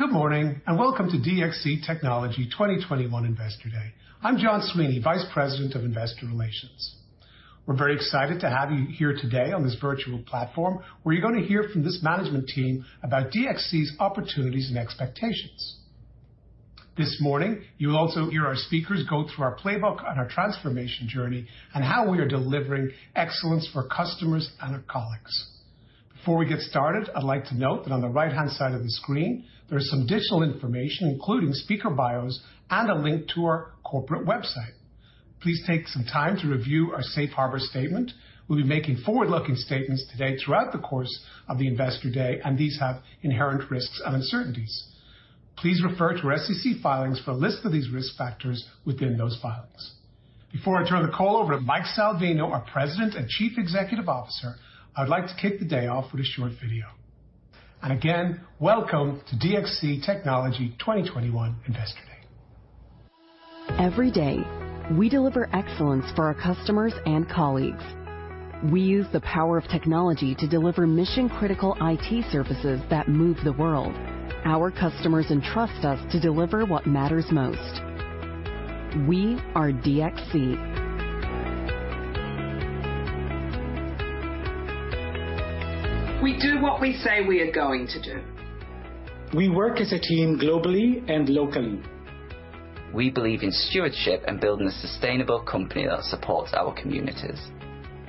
Good morning and welcome to DXC Technology 2021 Investor Day. I'm John Sweeney, Vice President of Investor Relations. We're very excited to have you here today on this virtual platform where you're going to hear from this management team about DXC's opportunities and expectations. This morning, you will also hear our speakers go through our playbook on our transformation journey and how we are delivering excellence for customers and our colleagues. Before we get started, I'd like to note that on the right-hand side of the screen, there is some additional information, including speaker bios and a link to our corporate website. Please take some time to review our Safe Harbor Statement. We'll be making forward-looking statements today throughout the course of the Investor Day, and these have inherent risks and uncertainties. Please refer to our SEC filings for a list of these risk factors within those filings. Before I turn the call over to Mike Salvino, our President and Chief Executive Officer, I would like to kick the day off with a short video, and again, welcome to DXC Technology 2021 Investor Day. Every day, we deliver excellence for our customers and colleagues. We use the power of technology to deliver mission-critical IT services that move the world. Our customers entrust us to deliver what matters most. We are DXC. We do what we say we are going to do. We work as a team globally and locally. We believe in stewardship and building a sustainable company that supports our communities.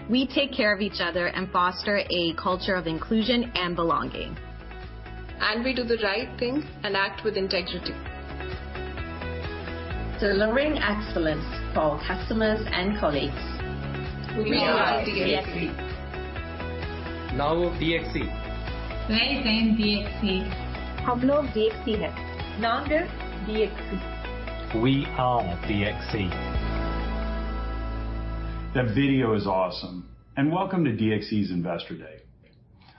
We take care of each other and foster a culture of inclusion and belonging. We do the right thing and act with integrity. Delivering excellence for our customers and colleagues. We are DXC. Now of DXC. Today's name: DXC. Hamno DXC has. Nam de DXC. We are DXC. The video is awesome, and welcome to DXC's Investor Day.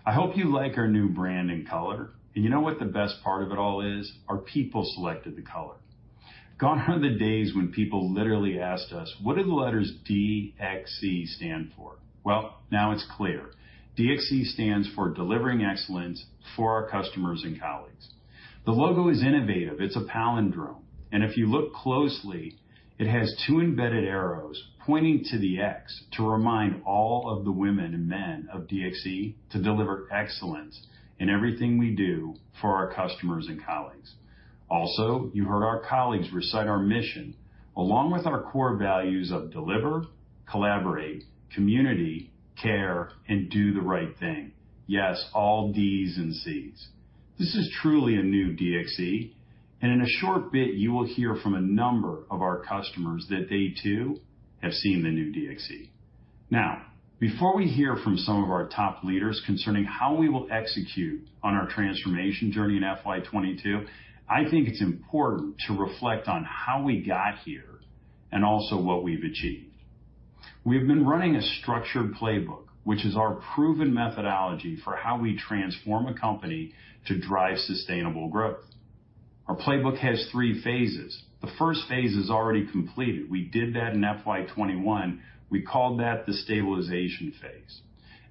I hope you like our new brand and color. And you know what the best part of it all is? Our people selected the color. Gone are the days when people literally asked us, what do the letters DXC stand for? Well, now it's clear. DXC stands for Delivering Excellence for our Customers and Colleagues. The logo is innovative. It's a palindrome. And if you look closely, it has two embedded arrows pointing to the X to remind all of the women and men of DXC to deliver excellence in everything we do for our customers and colleagues. Also, you heard our colleagues recite our mission, along with our core values of deliver, collaborate, community, care, and do the right thing. Yes, all Ds and Cs. This is truly a new DXC. In a short bit, you will hear from a number of our customers that they too have seen the new DXC. Now, before we hear from some of our top leaders concerning how we will execute on our transformation journey in FY22, I think it's important to reflect on how we got here and also what we've achieved. We have been running a structured playbook, which is our proven methodology for how we transform a company to drive sustainable growth. Our playbook has three phases. The first phase is already completed. We did that in FY21. We called that the stabilization phase.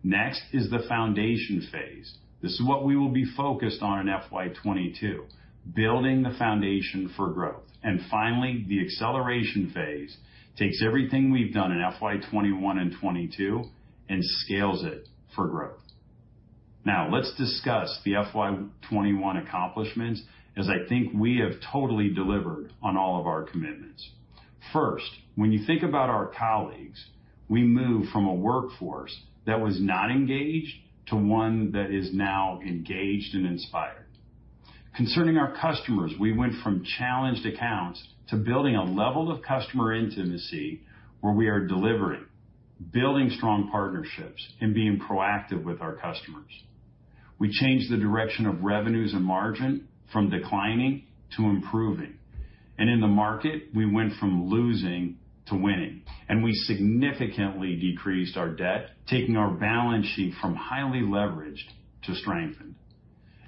Next is the foundation phase. This is what we will be focused on in FY22, building the foundation for growth. Finally, the acceleration phase takes everything we've done in FY21 and FY22 and scales it for growth. Now, let's discuss the FY21 accomplishments as I think we have totally delivered on all of our commitments. First, when you think about our colleagues, we moved from a workforce that was not engaged to one that is now engaged and inspired. Concerning our customers, we went from challenged accounts to building a level of customer intimacy where we are delivering, building strong partnerships, and being proactive with our customers. We changed the direction of revenues and margin from declining to improving. And in the market, we went from losing to winning, and we significantly decreased our debt, taking our balance sheet from highly leveraged to strengthened.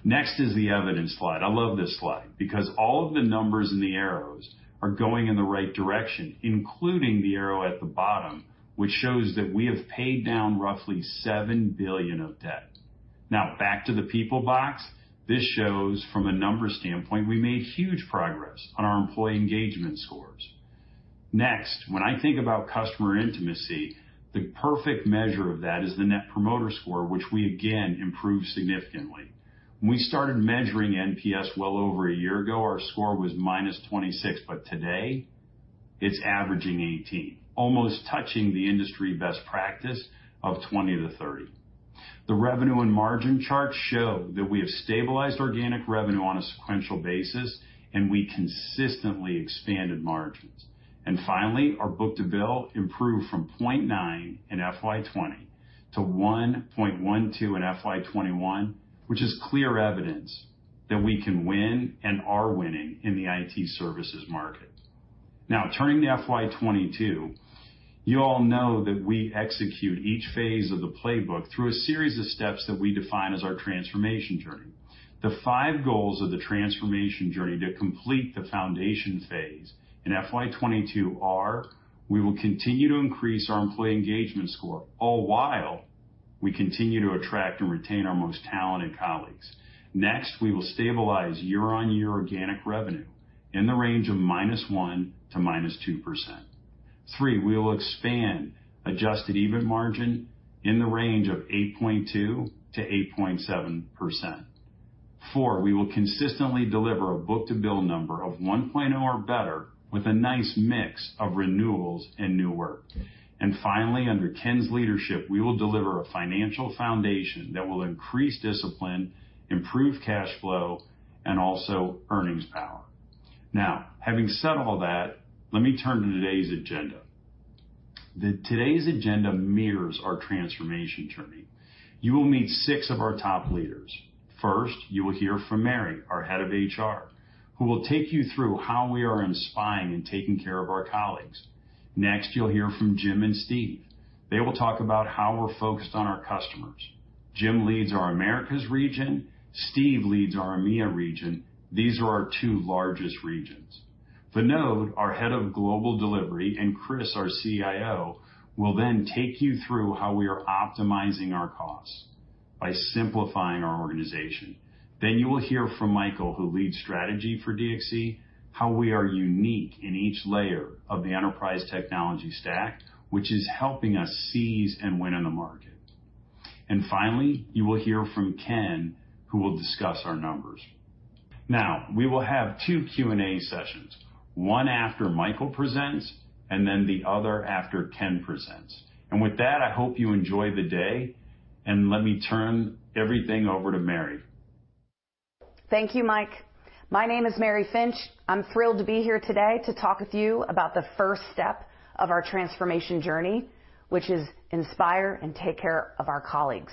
Next is the evidence slide. I love this slide because all of the numbers and the arrows are going in the right direction, including the arrow at the bottom, which shows that we have paid down roughly $7 billion of debt. Now, back to the people box, this shows from a numbers standpoint, we made huge progress on our employee engagement scores. Next, when I think about customer intimacy, the perfect measure of that is the Net Promoter Score, which we again improved significantly. When we started measuring NPS well over a year ago, our score was minus 26, but today it's averaging 18, almost touching the industry best practice of 20-30. The revenue and margin charts show that we have stabilized organic revenue on a sequential basis, and we consistently expanded margins. And finally, our book-to-bill improved from 0.9 in FY 2020 to 1.12 in FY 2021, which is clear evidence that we can win and are winning in the IT services market. Now, turning to FY22, you all know that we execute each phase of the playbook through a series of steps that we define as our transformation journey. The five goals of the transformation journey to complete the foundation phase in FY22 are: we will continue to increase our employee engagement score all while we continue to attract and retain our most talented colleagues. Next, we will stabilize year-on-year organic revenue in the range of minus 1% to minus 2%. Three, we will expand adjusted EBIT margin in the range of 8.2%-8.7%. Four, we will consistently deliver a book-to-bill number of 1.0 or better with a nice mix of renewals and new work. And finally, under Ken's leadership, we will deliver a financial foundation that will increase discipline, improve cash flow, and also earnings power. Now, having said all that, let me turn to today's agenda. Today's agenda mirrors our transformation journey. You will meet six of our top leaders. First, you will hear from Mary, our head of HR, who will take you through how we are inspiring and taking care of our colleagues, next you'll hear from Jim and Steve. They will talk about how we're focused on our customers. Jim leads our Americas region. Steve leads our EMEA region. These are our two largest regions. Vinod, our head of global delivery, and Chris, our CIO, will then take you through how we are optimizing our costs by simplifying our organization, then you will hear from Michael, who leads strategy for DXC, how we are unique in each layer of the Enterprise Technology Stack, which is helping us seize and win in the market, and finally you will hear from Ken, who will discuss our numbers. Now, we will have two Q&A sessions, one after Michael presents and then the other after Ken presents. And with that, I hope you enjoy the day. And let me turn everything over to Mary. Thank you, Mike. My name is Mary Finch. I'm thrilled to be here today to talk with you about the first step of our transformation journey, which is inspire and take care of our colleagues.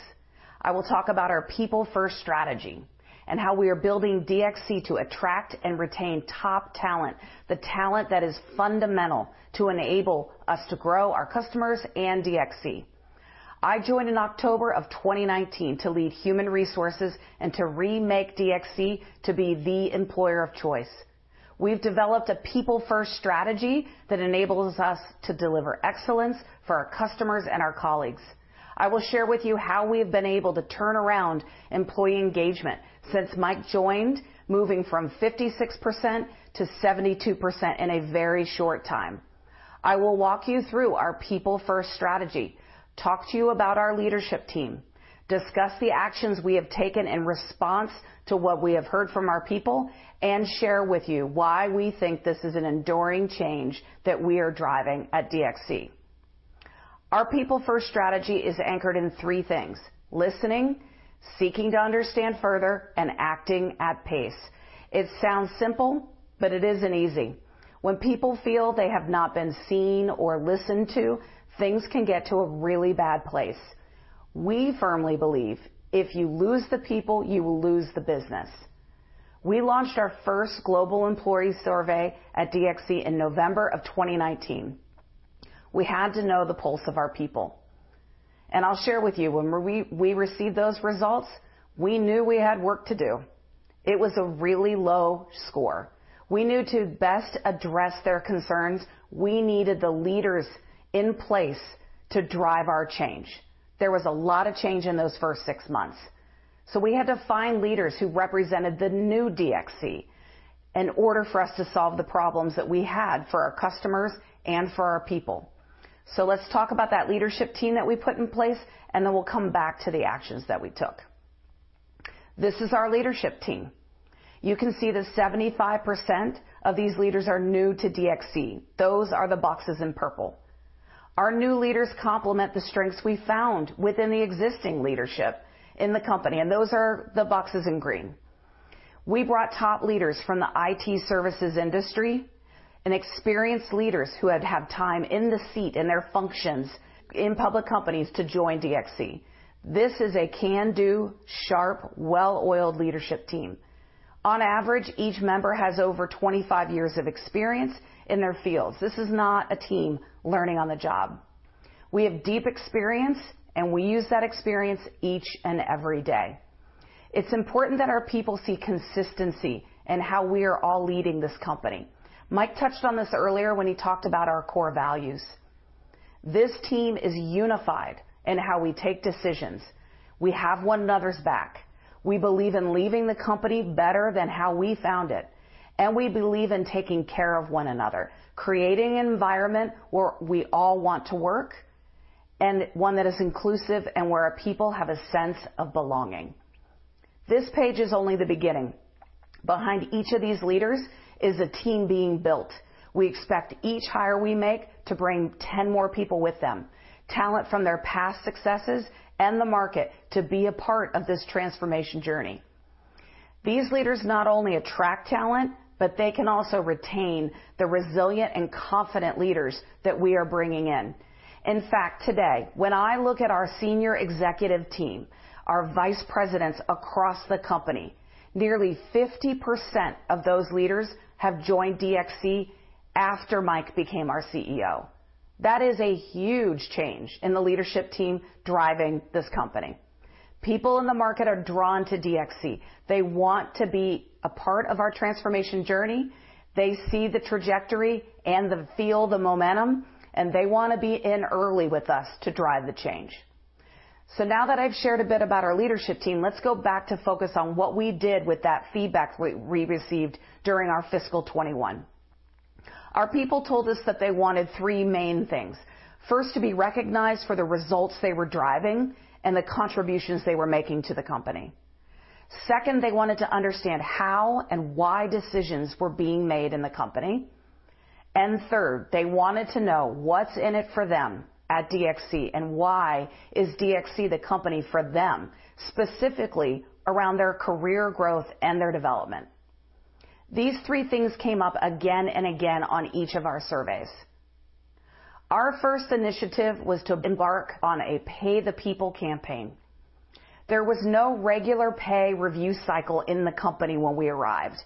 I will talk about our people-first strategy and how we are building DXC to attract and retain top talent, the talent that is fundamental to enable us to grow our customers and DXC. I joined in October of 2019 to lead human resources and to remake DXC to be the employer of choice. We've developed a people-first strategy that enables us to deliver excellence for our customers and our colleagues. I will share with you how we have been able to turn around employee engagement since Mike joined, moving from 56%-72% in a very short time. I will walk you through our people-first strategy, talk to you about our leadership team, discuss the actions we have taken in response to what we have heard from our people, and share with you why we think this is an enduring change that we are driving at DXC. Our people-first strategy is anchored in three things: listening, seeking to understand further, and acting at pace. It sounds simple, but it isn't easy. When people feel they have not been seen or listened to, things can get to a really bad place. We firmly believe if you lose the people, you will lose the business. We launched our first global employee survey at DXC in November of 2019. We had to know the pulse of our people. And I'll share with you, when we received those results, we knew we had work to do. It was a really low score. We knew to best address their concerns, we needed the leaders in place to drive our change. There was a lot of change in those first six months. So we had to find leaders who represented the new DXC in order for us to solve the problems that we had for our customers and for our people. So let's talk about that leadership team that we put in place, and then we'll come back to the actions that we took. This is our leadership team. You can see that 75% of these leaders are new to DXC. Those are the boxes in purple. Our new leaders complement the strengths we found within the existing leadership in the company, and those are the boxes in green. We brought top leaders from the IT services industry and experienced leaders who have had time in the seat in their functions in public companies to join DXC. This is a can-do, sharp, well-oiled leadership team. On average, each member has over 25 years of experience in their fields. This is not a team learning on the job. We have deep experience, and we use that experience each and every day. It's important that our people see consistency in how we are all leading this company. Mike touched on this earlier when he talked about our core values. This team is unified in how we take decisions. We have one another's back. We believe in leaving the company better than how we found it. We believe in taking care of one another, creating an environment where we all want to work and one that is inclusive and where our people have a sense of belonging. This page is only the beginning. Behind each of these leaders is a team being built. We expect each hire we make to bring 10 more people with them, talent from their past successes and the market to be a part of this transformation journey. These leaders not only attract talent, but they can also retain the resilient and confident leaders that we are bringing in. In fact, today, when I look at our senior executive team, our vice presidents across the company, nearly 50% of those leaders have joined DXC after Mike became our CEO. That is a huge change in the leadership team driving this company. People in the market are drawn to DXC. They want to be a part of our transformation journey. They see the trajectory and feel the momentum, and they want to be in early with us to drive the change. So now that I've shared a bit about our leadership team, let's go back to focus on what we did with that feedback we received during our fiscal 2021. Our people told us that they wanted three main things. First, to be recognized for the results they were driving and the contributions they were making to the company. Second, they wanted to understand how and why decisions were being made in the company. And third, they wanted to know what's in it for them at DXC and why is DXC the company for them, specifically around their career growth and their development. These three things came up again and again on each of our surveys. Our first initiative was to embark on a Pay the People campaign. There was no regular pay review cycle in the company when we arrived.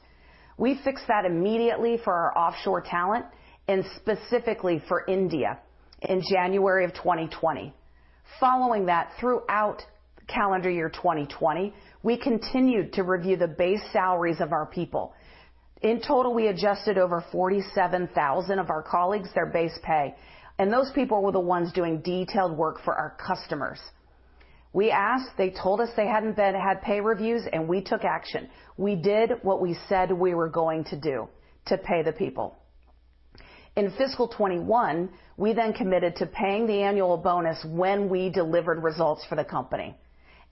We fixed that immediately for our offshore talent and specifically for India in January of 2020. Following that, throughout calendar year 2020, we continued to review the base salaries of our people. In total, we adjusted over 47,000 of our colleagues' base pay, and those people were the ones doing detailed work for our customers. We asked, they told us they hadn't had pay reviews, and we took action. We did what we said we were going to do to Pay the People. In fiscal 2021, we then committed to paying the annual bonus when we delivered results for the company,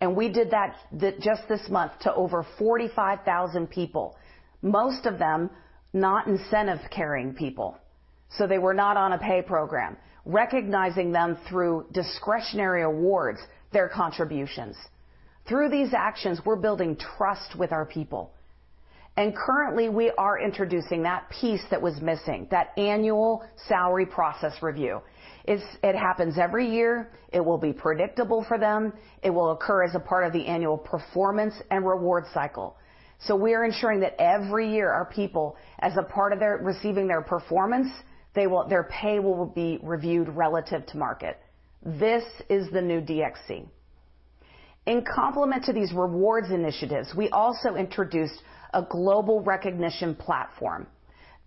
and we did that just this month to over 45,000 people, most of them not incentive-carrying people. So they were not on a pay program, recognizing them through discretionary awards, their contributions. Through these actions, we're building trust with our people. And currently, we are introducing that piece that was missing, that annual salary process review. It happens every year. It will be predictable for them. It will occur as a part of the annual performance and reward cycle. So we are ensuring that every year our people, as a part of receiving their performance, their pay will be reviewed relative to market. This is the new DXC. In complement to these rewards initiatives, we also introduced a global recognition platform.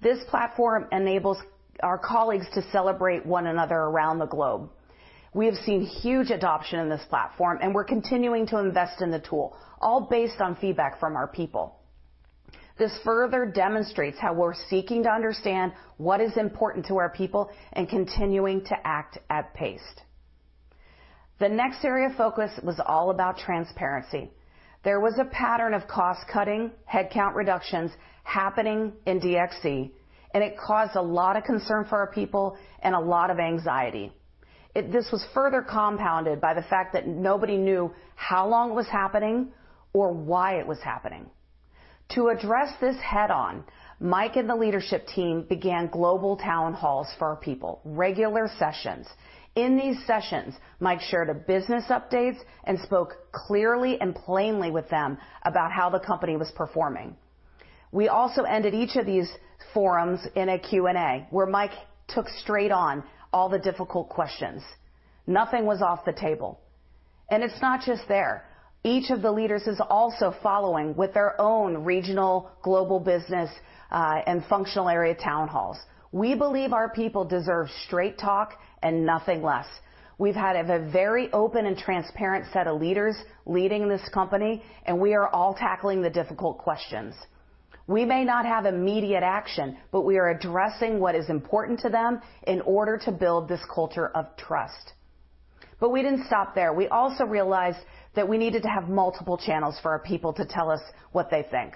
This platform enables our colleagues to celebrate one another around the globe. We have seen huge adoption in this platform, and we're continuing to invest in the tool, all based on feedback from our people. This further demonstrates how we're seeking to understand what is important to our people and continuing to act at pace. The next area of focus was all about transparency. There was a pattern of cost-cutting, headcount reductions happening in DXC, and it caused a lot of concern for our people and a lot of anxiety. This was further compounded by the fact that nobody knew how long it was happening or why it was happening. To address this head-on, Mike and the leadership team began global town halls for our people, regular sessions. In these sessions, Mike shared business updates and spoke clearly and plainly with them about how the company was performing. We also ended each of these forums in a Q&A where Mike took straight on all the difficult questions. Nothing was off the table. And it's not just there. Each of the leaders is also following with their own regional, global business, and functional area town halls. We believe our people deserve straight talk and nothing less. We've had a very open and transparent set of leaders leading this company, and we are all tackling the difficult questions. We may not have immediate action, but we are addressing what is important to them in order to build this culture of trust. But we didn't stop there. We also realized that we needed to have multiple channels for our people to tell us what they think.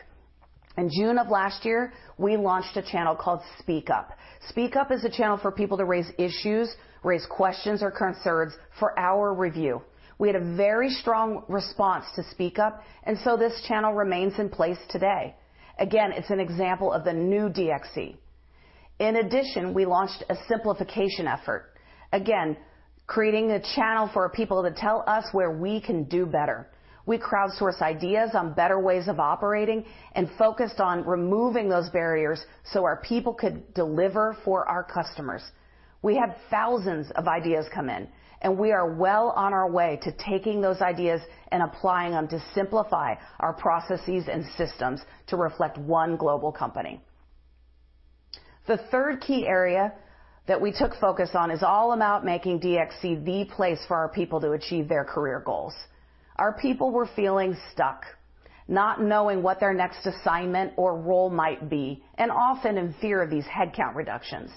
In June of last year, we launched a channel called Speak Up. Speak Up is a channel for people to raise issues, raise questions, or concerns for our review. We had a very strong response to Speak Up, and so this channel remains in place today. Again, it's an example of the new DXC. In addition, we launched a simplification effort, again, creating a channel for our people to tell us where we can do better. We crowdsource ideas on better ways of operating and focused on removing those barriers so our people could deliver for our customers. We had thousands of ideas come in, and we are well on our way to taking those ideas and applying them to simplify our processes and systems to reflect one global company. The third key area that we took focus on is all about making DXC the place for our people to achieve their career goals. Our people were feeling stuck, not knowing what their next assignment or role might be, and often in fear of these headcount reductions.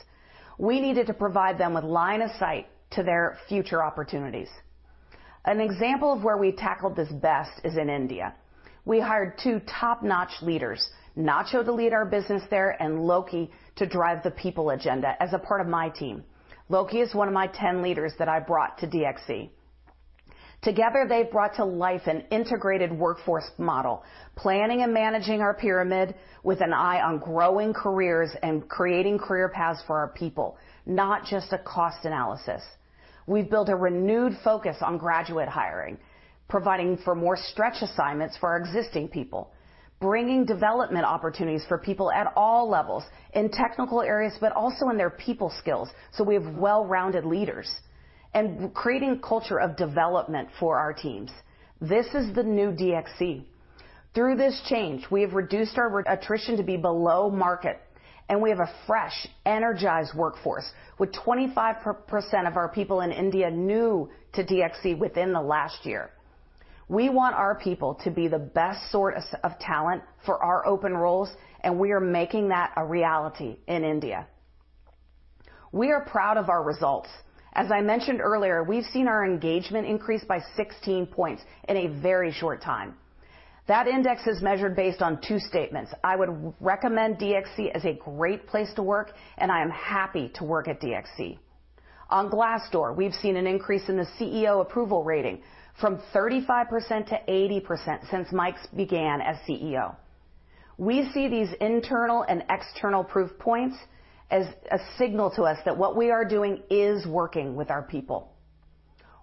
We needed to provide them with line of sight to their future opportunities. An example of where we tackled this best is in India. We hired two top-notch leaders, Nacho to lead our business there and Loki to drive the people agenda as a part of my team. Loki is one of my 10 leaders that I brought to DXC. Together, they've brought to life an integrated workforce model, planning and managing our pyramid with an eye on growing careers and creating career paths for our people, not just a cost analysis. We've built a renewed focus on graduate hiring, providing for more stretch assignments for our existing people, bringing development opportunities for people at all levels in technical areas, but also in their people skills so we have well-rounded leaders, and creating a culture of development for our teams. This is the new DXC. Through this change, we have reduced our attrition to be below market, and we have a fresh, energized workforce with 25% of our people in India new to DXC within the last year. We want our people to be the best sort of talent for our open roles, and we are making that a reality in India. We are proud of our results. As I mentioned earlier, we've seen our engagement increase by 16 points in a very short time. That index is measured based on two statements. I would recommend DXC as a great place to work, and I am happy to work at DXC. On Glassdoor, we've seen an increase in the CEO approval rating from 35%-80% since Mike began as CEO. We see these internal and external proof points as a signal to us that what we are doing is working with our people.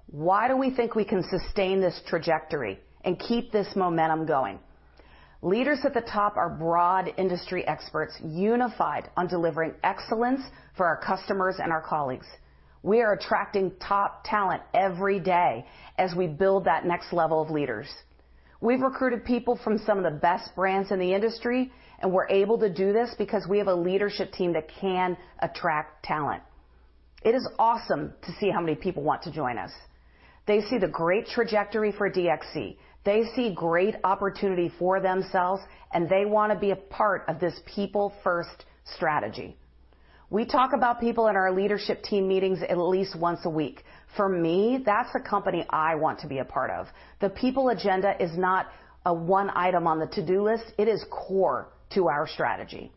Why do we think we can sustain this trajectory and keep this momentum going? Leaders at the top are broad industry experts unified on delivering excellence for our customers and our colleagues. We are attracting top talent every day as we build that next level of leaders. We've recruited people from some of the best brands in the industry, and we're able to do this because we have a leadership team that can attract talent. It is awesome to see how many people want to join us. They see the great trajectory for DXC. They see great opportunity for themselves, and they want to be a part of this people-first strategy. We talk about people in our leadership team meetings at least once a week. For me, that's a company I want to be a part of. The people agenda is not a one item on the to-do list. It is core to our strategy.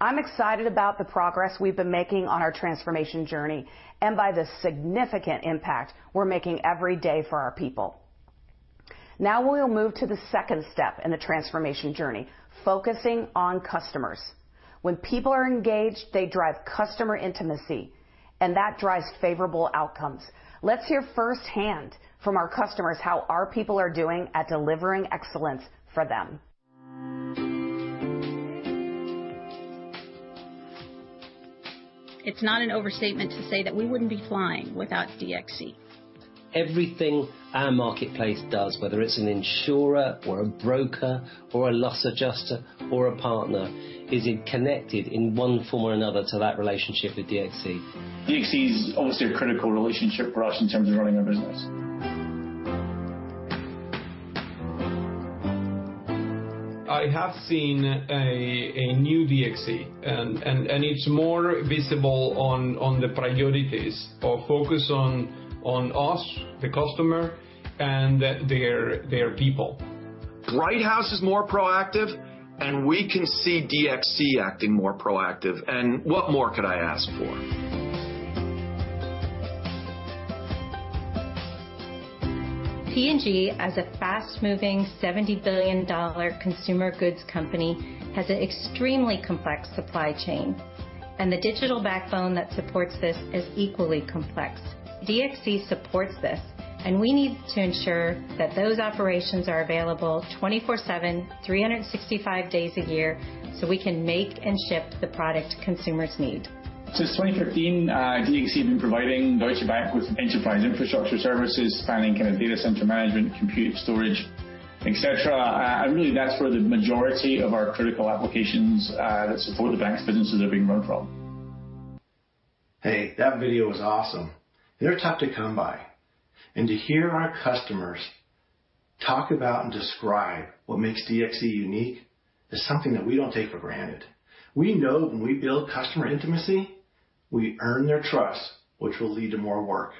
I'm excited about the progress we've been making on our transformation journey and by the significant impact we're making every day for our people. Now we'll move to the second step in the transformation journey, focusing on customers. When people are engaged, they drive customer intimacy, and that drives favorable outcomes. Let's hear firsthand from our customers how our people are doing at delivering excellence for them. It's not an overstatement to say that we wouldn't be flying without DXC. Everything our marketplace does, whether it's an insurer or a broker or a loss adjuster or a partner, is connected in one form or another to that relationship with DXC. DXC is obviously a critical relationship for us in terms of running our business. I have seen a new DXC, and it's more visible on the priorities or focus on us, the customer, and their people. Brighthouse is more proactive, and we can see DXC acting more proactive. And what more could I ask for? P&G, as a fast-moving $70 billion consumer goods company, has an extremely complex supply chain, and the digital backbone that supports this is equally complex. DXC supports this, and we need to ensure that those operations are available 24/7, 365 days a year so we can make and ship the product consumers need. Since 2015, DXC has been providing Deutsche Bank with enterprise infrastructure services, spanning kind of data center management, compute storage, etc. And really, that's where the majority of our critical applications that support the bank's businesses are being run from. Hey, that video was awesome. They're tough to come by. And to hear our customers talk about and describe what makes DXC unique is something that we don't take for granted. We know when we build customer intimacy, we earn their trust, which will lead to more work.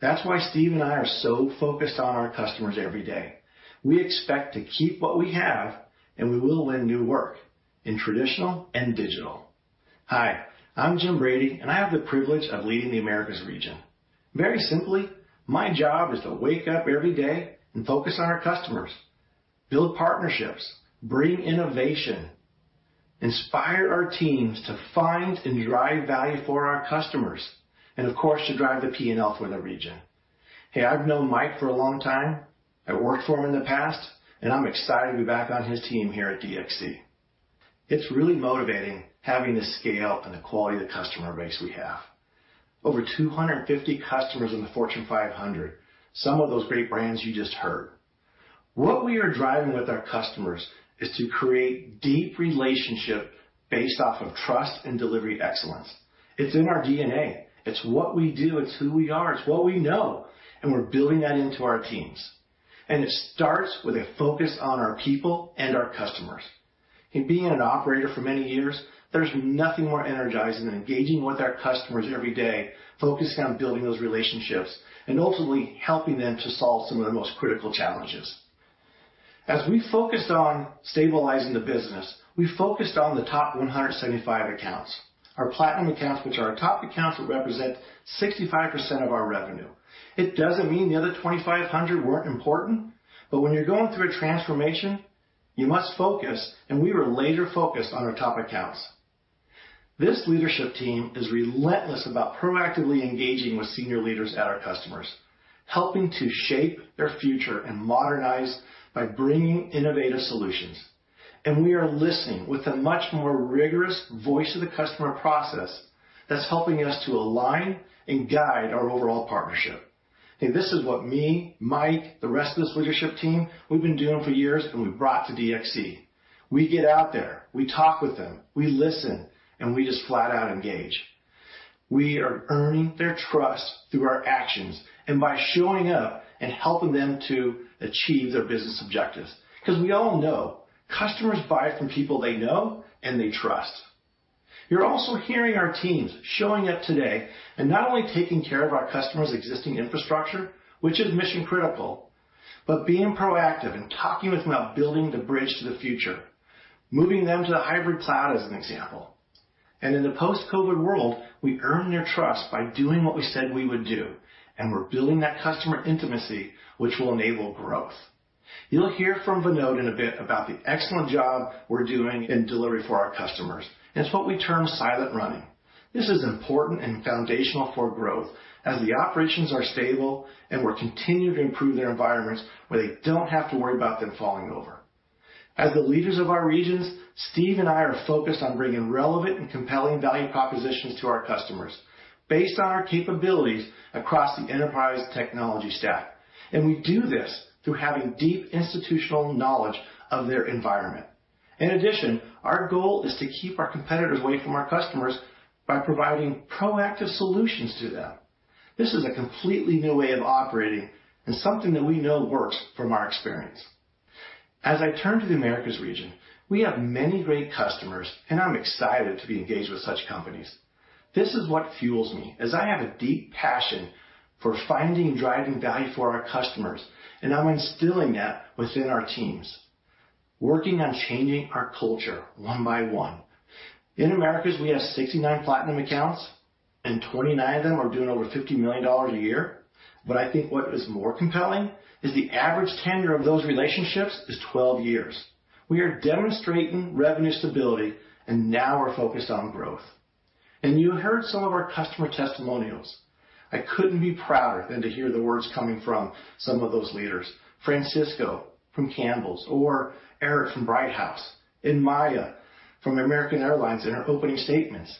That's why Steve and I are so focused on our customers every day. We expect to keep what we have, and we will win new work in traditional and digital. Hi, I'm Jim Brady, and I have the privilege of leading the Americas region. Very simply, my job is to wake up every day and focus on our customers, build partnerships, bring innovation, inspire our teams to find and drive value for our customers, and of course, to drive the P&L for the region. Hey, I've known Mike for a long time. I worked for him in the past, and I'm excited to be back on his team here at DXC. It's really motivating having the scale and the quality of the customer base we have. Over 250 customers in the Fortune 500, some of those great brands you just heard. What we are driving with our customers is to create deep relationships based off of trust and delivery excellence. It's in our DNA. It's what we do. It's who we are. It's what we know. And we're building that into our teams. And it starts with a focus on our people and our customers. In being an operator for many years, there's nothing more energizing than engaging with our customers every day, focusing on building those relationships and ultimately helping them to solve some of the most critical challenges. As we focused on stabilizing the business, we focused on the top 175 accounts, our platinum accounts, which are our top accounts that represent 65% of our revenue. It doesn't mean the other 2,500 weren't important, but when you're going through a transformation, you must focus, and we were laser-focused on our top accounts. This leadership team is relentless about proactively engaging with senior leaders at our customers, helping to shape their future and modernize by bringing innovative solutions, and we are listening with a much more rigorous Voice of the Customer process that's helping us to align and guide our overall partnership. Hey, this is what me, Mike, the rest of this leadership team, we've been doing for years, and we brought to DXC. We get out there. We talk with them. We listen, and we just flat out engage. We are earning their trust through our actions and by showing up and helping them to achieve their business objectives. Because we all know customers buy from people they know and they trust. You're also hearing our teams showing up today and not only taking care of our customers' existing infrastructure, which is mission-critical, but being proactive and talking with them about building the bridge to the future, moving them to the hybrid cloud as an example, and in the post-COVID world, we earned their trust by doing what we said we would do, and we're building that customer intimacy, which will enable growth. You'll hear from Vinod in a bit about the excellent job we're doing in delivery for our customers. It's what we term silent running. This is important and foundational for growth as the operations are stable and we're continuing to improve their environments where they don't have to worry about them falling over. As the leaders of our regions, Steve and I are focused on bringing relevant and compelling value propositions to our customers based on our capabilities across the enterprise technology stack, and we do this through having deep institutional knowledge of their environment. In addition, our goal is to keep our competitors away from our customers by providing proactive solutions to them. This is a completely new way of operating and something that we know works from our experience. As I turn to the Americas region, we have many great customers, and I'm excited to be engaged with such companies. This is what fuels me as I have a deep passion for finding and driving value for our customers, and I'm instilling that within our teams, working on changing our culture one by one. In Americas, we have 69 platinum accounts, and 29 of them are doing over $50 million a year. I think what is more compelling is the average tenure of those relationships is 12 years. We are demonstrating revenue stability, and now we're focused on growth. You heard some of our customer testimonials. I couldn't be prouder than to hear the words coming from some of those leaders, Francisco from Campbell's or Eric from Brighthouse and Maya from American Airlines in her opening statements.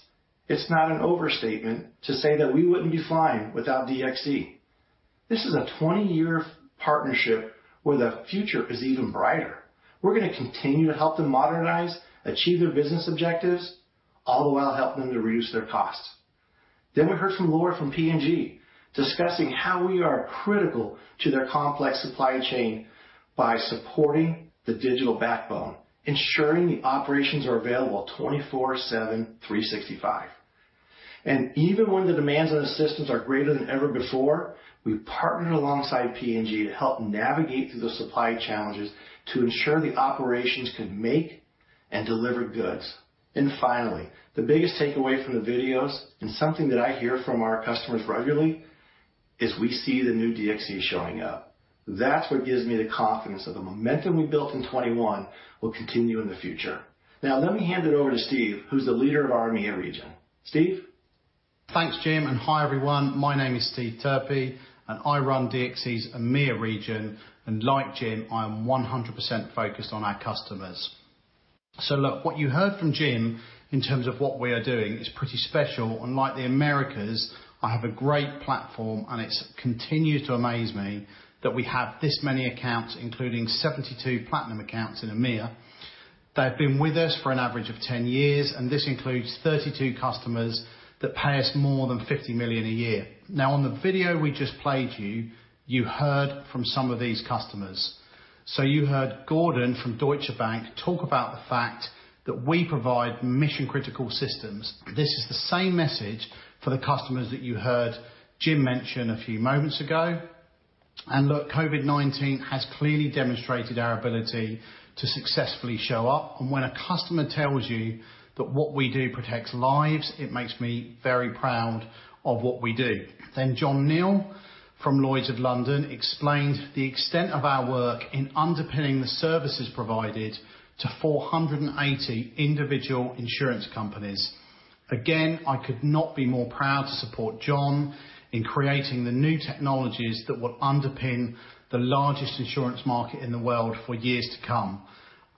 It's not an overstatement to say that we wouldn't be flying without DXC. This is a 20-year partnership where the future is even brighter. We're going to continue to help them modernize, achieve their business objectives, all the while helping them to reduce their costs. Then we heard from Laura from P&G discussing how we are critical to their complex supply chain by supporting the digital backbone, ensuring the operations are available 24/7, 365. And even when the demands on the systems are greater than ever before, we partnered alongside P&G to help navigate through the supply challenges to ensure the operations could make and deliver goods. And finally, the biggest takeaway from the videos and something that I hear from our customers regularly is we see the new DXC showing up. That's what gives me the confidence that the momentum we built in 2021 will continue in the future. Now, let me hand it over to Steve, who's the leader of our EMEA region. Steve? Thanks, Jim. And hi, everyone. My name is Steve Turpie, and I run DXC's EMEA region. And like Jim, I am 100% focused on our customers. So look, what you heard from Jim in terms of what we are doing is pretty special. Unlike the Americas, I have a great platform, and it continues to amaze me that we have this many accounts, including 72 platinum accounts in EMEA. They've been with us for an average of 10 years, and this includes 32 customers that pay us more than $50 million a year. Now, on the video we just played you, you heard from some of these customers. So you heard Gordon from Deutsche Bank talk about the fact that we provide mission-critical systems. This is the same message for the customers that you heard Jim mention a few moments ago. And look, COVID-19 has clearly demonstrated our ability to successfully show up. And when a customer tells you that what we do protects lives, it makes me very proud of what we do. John Neal from Lloyd's of London explained the extent of our work in underpinning the services provided to 480 individual insurance companies. Again, I could not be more proud to support John in creating the new technologies that will underpin the largest insurance market in the world for years to come.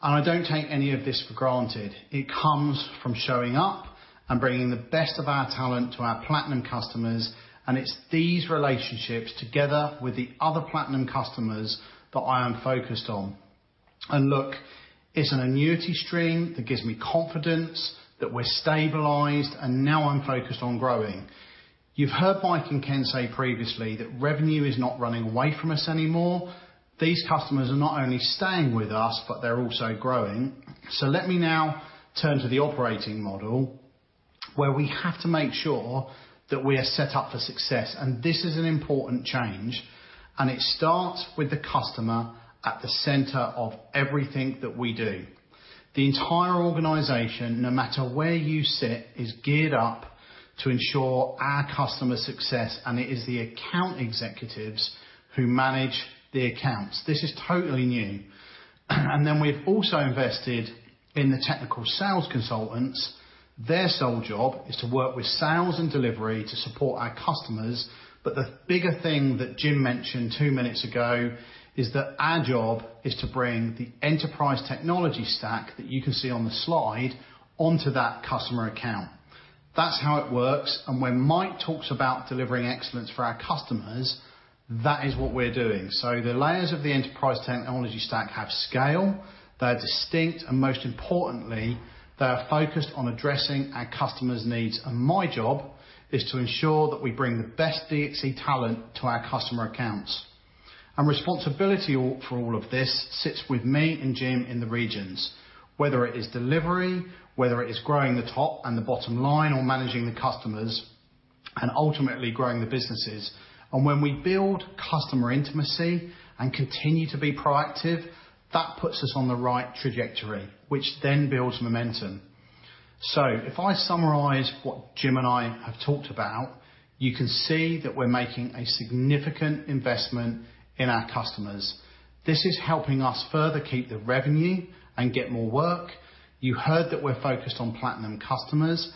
I don't take any of this for granted. It comes from showing up and bringing the best of our talent to our platinum customers. It's these relationships together with the other platinum customers that I am focused on. Look, it's an annuity stream that gives me confidence that we're stabilized, and now I'm focused on growing. You've heard Mike and Ken say previously that revenue is not running away from us anymore. These customers are not only staying with us, but they're also growing. So let me now turn to the operating model where we have to make sure that we are set up for success. And this is an important change. And it starts with the customer at the center of everything that we do. The entire organization, no matter where you sit, is geared up to ensure our customer success, and it is the account executives who manage the accounts. This is totally new. And then we've also invested in the technical sales consultants. Their sole job is to work with sales and delivery to support our customers. But the bigger thing that Jim mentioned two minutes ago is that our job is to bring the enterprise technology stack that you can see on the slide onto that customer account. That's how it works. And when Mike talks about delivering excellence for our customers, that is what we're doing. So the layers of the enterprise technology stack have scale. They're distinct. And most importantly, they're focused on addressing our customers' needs. And my job is to ensure that we bring the best DXC talent to our customer accounts. And responsibility for all of this sits with me and Jim in the regions, whether it is delivery, whether it is growing the top and the bottom line, or managing the customers and ultimately growing the businesses. And when we build customer intimacy and continue to be proactive, that puts us on the right trajectory, which then builds momentum. So if I summarize what Jim and I have talked about, you can see that we're making a significant investment in our customers. This is helping us further keep the revenue and get more work. You heard that we're focused on platinum customers.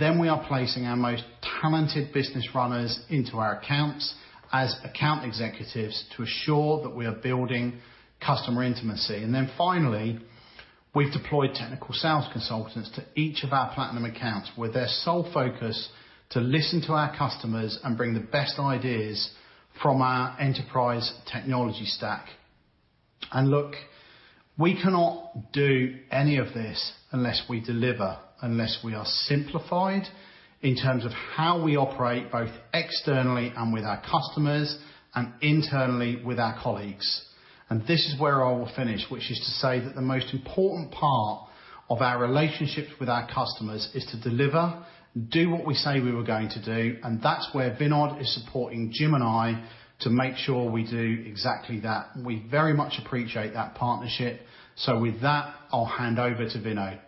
We are placing our most talented business runners into our accounts as account executives to assure that we are building customer intimacy. And then finally, we've deployed technical sales consultants to each of our platinum accounts with their sole focus to listen to our customers and bring the best ideas from our Enterprise Technology Stack. And look, we cannot do any of this unless we deliver, unless we are simplified in terms of how we operate both externally and with our customers and internally with our colleagues. And this is where I will finish, which is to say that the most important part of our relationships with our customers is to deliver, do what we say we were going to do. And that's where Vinod is supporting Jim and I to make sure we do exactly that. We very much appreciate that partnership. With that, I'll hand over to Vinod.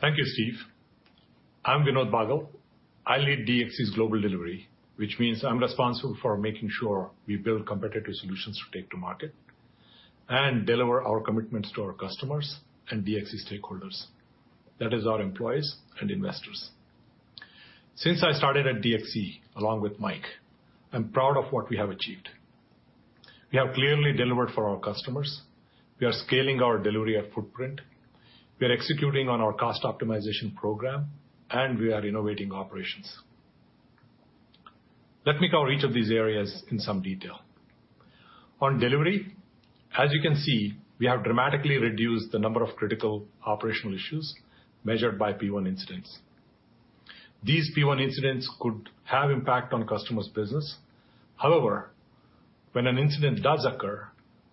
Thank you, Steve. I'm Vinod Bagal. I lead DXC's global delivery, which means I'm responsible for making sure we build competitive solutions to take to market and deliver our commitments to our customers and DXC stakeholders. That is our employees and investors. Since I started at DXC along with Mike, I'm proud of what we have achieved. We have clearly delivered for our customers. We are scaling our delivery of footprint. We are executing on our cost optimization program, and we are innovating operations. Let me cover each of these areas in some detail. On delivery, as you can see, we have dramatically reduced the number of critical operational issues measured by P1 incidents. These P1 incidents could have impact on customers' business. However, when an incident does occur,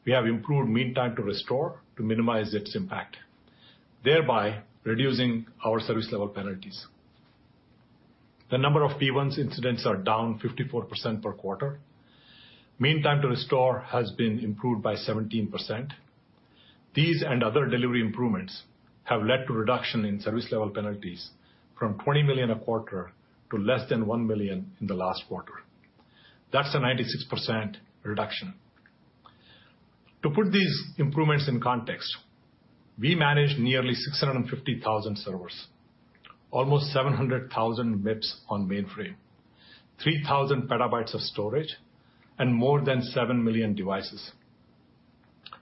we have improved mean time to restore to minimize its impact, thereby reducing our service-level penalties. The number of P1 incidents is down 54% per quarter. Mean time to restore has been improved by 17%. These and other delivery improvements have led to a reduction in service-level penalties from $20 million a quarter to less than $1 million in the last quarter. That's a 96% reduction. To put these improvements in context, we manage nearly 650,000 servers, almost 700,000 MIPS on mainframe, 3,000 petabytes of storage, and more than 7 million devices.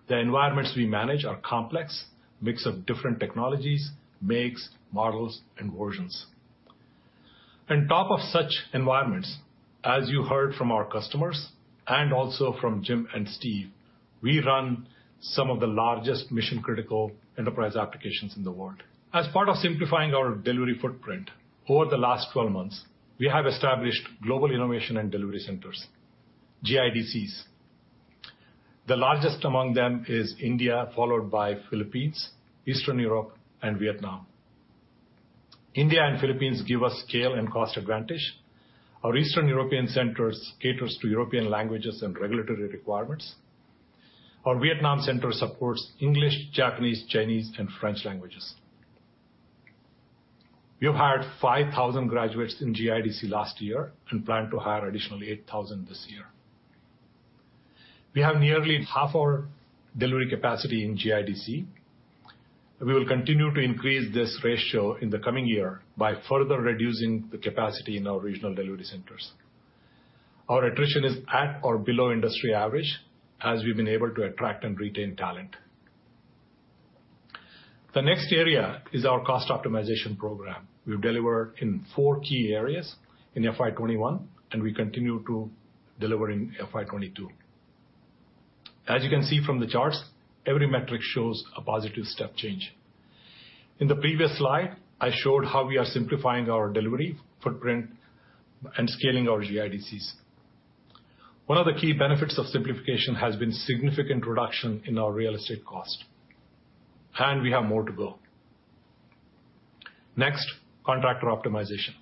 The environments we manage are complex, a mix of different technologies, makes, models, and versions. On top of such environments, as you heard from our customers and also from Jim and Steve, we run some of the largest mission-critical enterprise applications in the world. As part of simplifying our delivery footprint, over the last 12 months, we have established Global Innovation and Delivery Centers, GIDCs. The largest among them is India, followed by the Philippines, Eastern Europe, and Vietnam. India and the Philippines give us scale and cost advantage. Our Eastern European centers cater to European languages and regulatory requirements. Our Vietnam center supports English, Japanese, Chinese, and French languages. We have hired 5,000 graduates in GIDC last year and plan to hire additional 8,000 this year. We have nearly half our delivery capacity in GIDC. We will continue to increase this ratio in the coming year by further reducing the capacity in our regional delivery centers. Our attrition is at or below industry average as we've been able to attract and retain talent. The next area is our cost optimization program. We've delivered in four key areas in FY21, and we continue to deliver in FY22. As you can see from the charts, every metric shows a positive step change. In the previous slide, I showed how we are simplifying our delivery footprint and scaling our GIDCs. One of the key benefits of simplification has been significant reduction in our real estate cost, and we have more to go. Next, contractor optimization.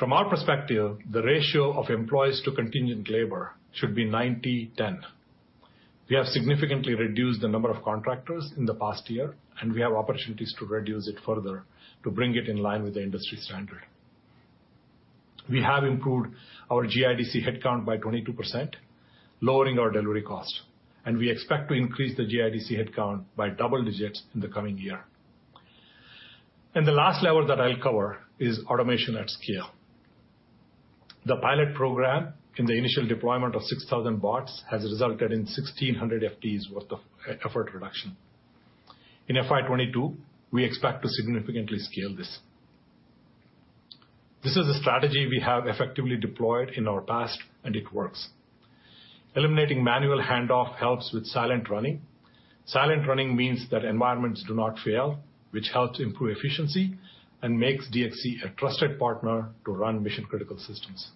From our perspective, the ratio of employees to contingent labor should be 90/10. We have significantly reduced the number of contractors in the past year, and we have opportunities to reduce it further to bring it in line with the industry standard. We have improved our GIDC headcount by 22%, lowering our delivery cost, and we expect to increase the GIDC headcount by double digits in the coming year. The last level that I'll cover is automation at scale. The pilot program in the initial deployment of 6,000 bots has resulted in 1,600 FTEs' worth of effort reduction. In FY22, we expect to significantly scale this. This is a strategy we have effectively deployed in our past, and it works. Eliminating manual handoff helps with silent running. Silent running means that environments do not fail, which helps improve efficiency and makes DXC a trusted partner to run mission-critical systems.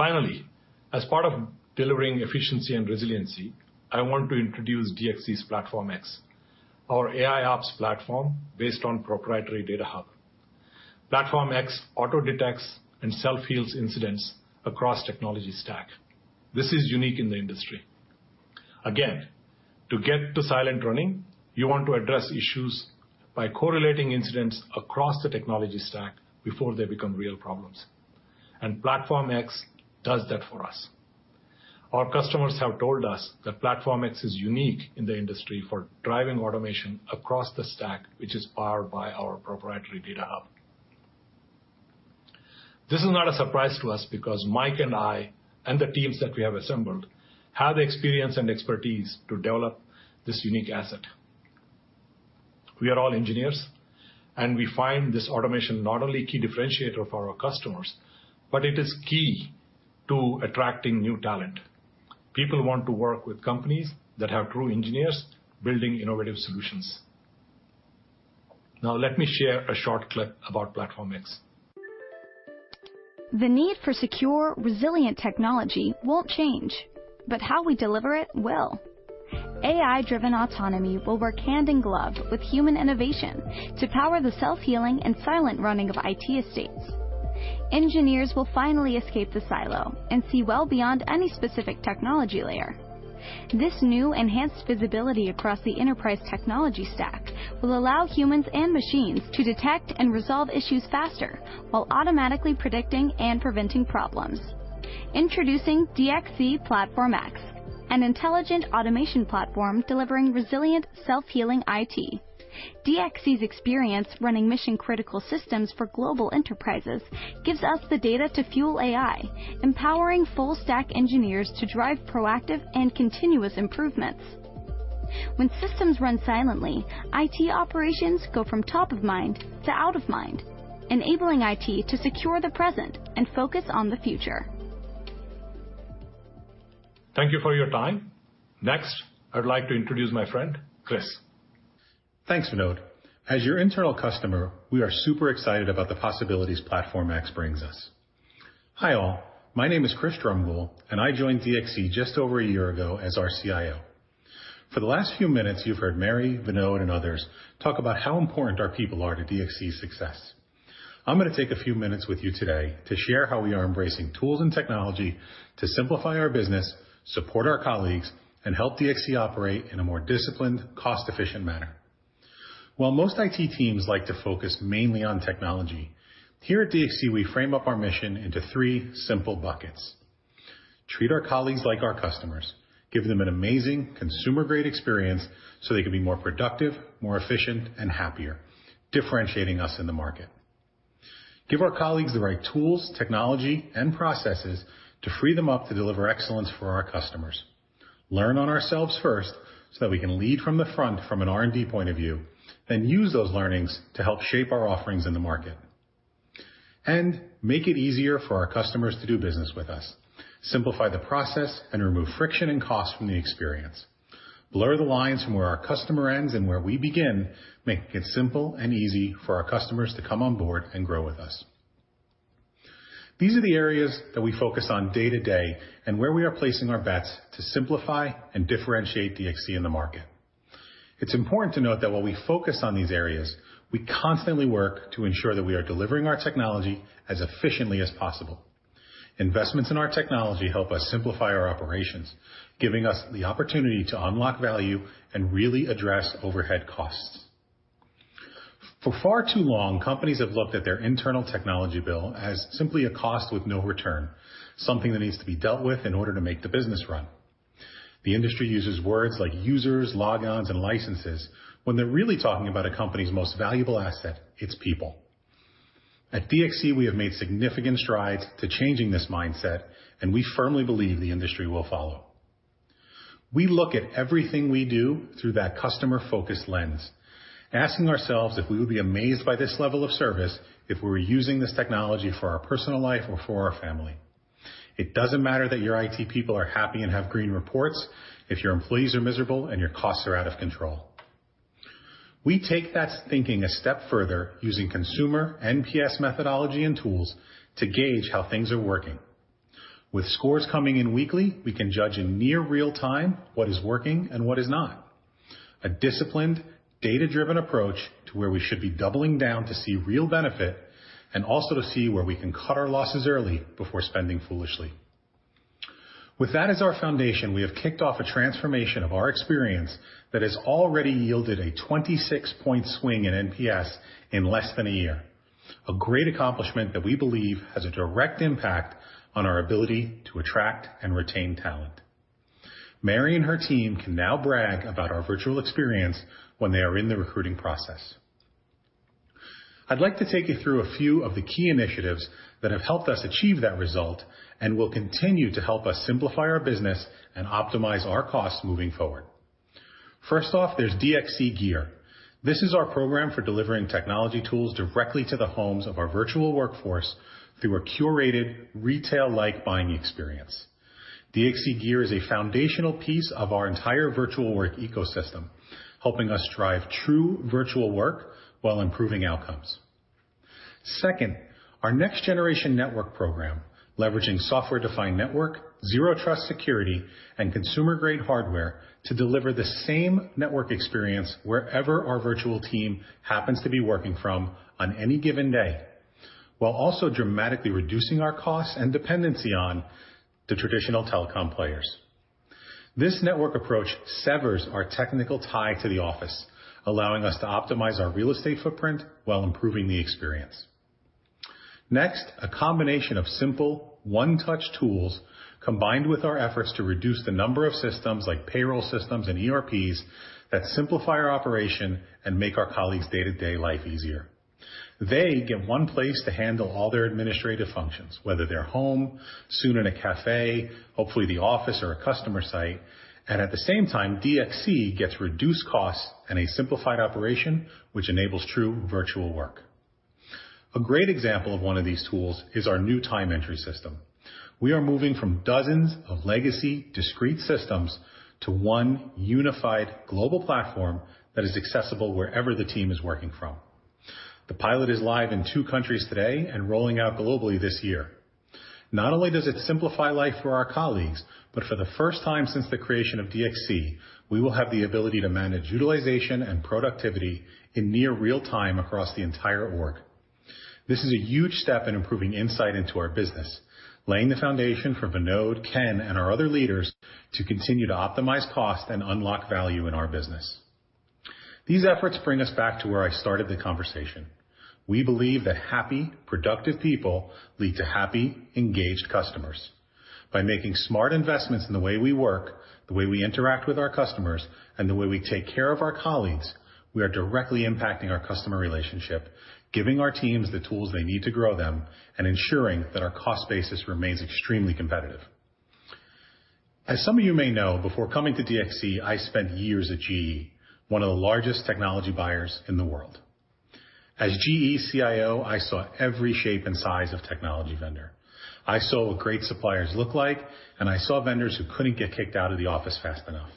Finally, as part of delivering efficiency and resiliency, I want to introduce DXC's Platform X, our AIOps platform based on proprietary data hub. Platform X auto-detects and self-heals incidents across the technology stack. This is unique in the industry. Again, to get to silent running, you want to address issues by correlating incidents across the technology stack before they become real problems. And Platform X does that for us. Our customers have told us that Platform X is unique in the industry for driving automation across the stack, which is powered by our proprietary data hub. This is not a surprise to us because Mike and I and the teams that we have assembled have the experience and expertise to develop this unique asset. We are all engineers, and we find this automation not only a key differentiator for our customers, but it is key to attracting new talent. People want to work with companies that have true engineers building innovative solutions. Now, let me share a short clip about Platform X. The need for secure, resilient technology won't change, but how we deliver it will. AI-driven autonomy will work hand in glove with human innovation to power the self-healing and silent running of IT estates. Engineers will finally escape the silo and see well beyond any specific technology layer. This new enhanced visibility across the enterprise technology stack will allow humans and machines to detect and resolve issues faster while automatically predicting and preventing problems. Introducing DXC Platform X, an intelligent automation platform delivering resilient, self-healing IT. DXC's experience running mission-critical systems for global enterprises gives us the data to fuel AI, empowering full-stack engineers to drive proactive and continuous improvements. When systems run silently, IT operations go from top of mind to out of mind, enabling IT to secure the present and focus on the future. Thank you for your time. Next, I'd like to introduce my friend, Chris. Thanks, Vinod. As your internal customer, we are super excited about the possibilities Platform X brings us. Hi all. My name is Chris Drumgoole, and I joined DXC just over a year ago as our CIO. For the last few minutes, you've heard Mary, Vinod, and others talk about how important our people are to DXC's success. I'm going to take a few minutes with you today to share how we are embracing tools and technology to simplify our business, support our colleagues, and help DXC operate in a more disciplined, cost-efficient manner. While most IT teams like to focus mainly on technology, here at DXC, we frame up our mission into three simple buckets. Treat our colleagues like our customers. Give them an amazing, consumer-grade experience so they can be more productive, more efficient, and happier, differentiating us in the market. Give our colleagues the right tools, technology, and processes to free them up to deliver excellence for our customers. Learn on ourselves first so that we can lead from the front from an R&D point of view, then use those learnings to help shape our offerings in the market, and make it easier for our customers to do business with us. Simplify the process and remove friction and cost from the experience. Blur the lines from where our customer ends and where we begin, making it simple and easy for our customers to come on board and grow with us. These are the areas that we focus on day to day and where we are placing our bets to simplify and differentiate DXC in the market. It's important to note that while we focus on these areas, we constantly work to ensure that we are delivering our technology as efficiently as possible. Investments in our technology help us simplify our operations, giving us the opportunity to unlock value and really address overhead costs. For far too long, companies have looked at their internal technology bill as simply a cost with no return, something that needs to be dealt with in order to make the business run. The industry uses words like users, logins, and licenses when they're really talking about a company's most valuable asset, its people. At DXC, we have made significant strides to changing this mindset, and we firmly believe the industry will follow. We look at everything we do through that customer-focused lens, asking ourselves if we would be amazed by this level of service if we were using this technology for our personal life or for our family. It doesn't matter that your IT people are happy and have green reports if your employees are miserable and your costs are out of control. We take that thinking a step further using consumer NPS methodology and tools to gauge how things are working. With scores coming in weekly, we can judge in near real time what is working and what is not. A disciplined, data-driven approach to where we should be doubling down to see real benefit and also to see where we can cut our losses early before spending foolishly. With that as our foundation, we have kicked off a transformation of our experience that has already yielded a 26-point swing in NPS in less than a year. A great accomplishment that we believe has a direct impact on our ability to attract and retain talent. Mary and her team can now brag about our virtual experience when they are in the recruiting process. I'd like to take you through a few of the key initiatives that have helped us achieve that result and will continue to help us simplify our business and optimize our costs moving forward. First off, there's DXC Gear. This is our program for delivering technology tools directly to the homes of our virtual workforce through a curated retail-like buying experience. DXC Gear is a foundational piece of our entire virtual work ecosystem, helping us drive true virtual work while improving outcomes. Second, our next-generation network program, leveraging software-defined network, Zero Trust security, and consumer-grade hardware to deliver the same network experience wherever our virtual team happens to be working from on any given day, while also dramatically reducing our costs and dependency on the traditional telecom players. This network approach severs our technical tie to the office, allowing us to optimize our real estate footprint while improving the experience. Next, a combination of simple, one-touch tools combined with our efforts to reduce the number of systems like payroll systems and ERPs that simplify our operation and make our colleagues' day-to-day life easier. They get one place to handle all their administrative functions, whether they're home, or in a café, hopefully the office, or a customer site. And at the same time, DXC gets reduced costs and a simplified operation, which enables true virtual work. A great example of one of these tools is our new time entry system. We are moving from dozens of legacy discrete systems to one unified global platform that is accessible wherever the team is working from. The pilot is live in two countries today and rolling out globally this year. Not only does it simplify life for our colleagues, but for the first time since the creation of DXC, we will have the ability to manage utilization and productivity in near real time across the entire org. This is a huge step in improving insight into our business, laying the foundation for Vinod, Ken, and our other leaders to continue to optimize cost and unlock value in our business. These efforts bring us back to where I started the conversation. We believe that happy, productive people lead to happy, engaged customers. By making smart investments in the way we work, the way we interact with our customers, and the way we take care of our colleagues, we are directly impacting our customer relationship, giving our teams the tools they need to grow them, and ensuring that our cost basis remains extremely competitive. As some of you may know, before coming to DXC, I spent years at GE, one of the largest technology buyers in the world. As GE CIO, I saw every shape and size of technology vendor. I saw what great suppliers looked like, and I saw vendors who couldn't get kicked out of the office fast enough.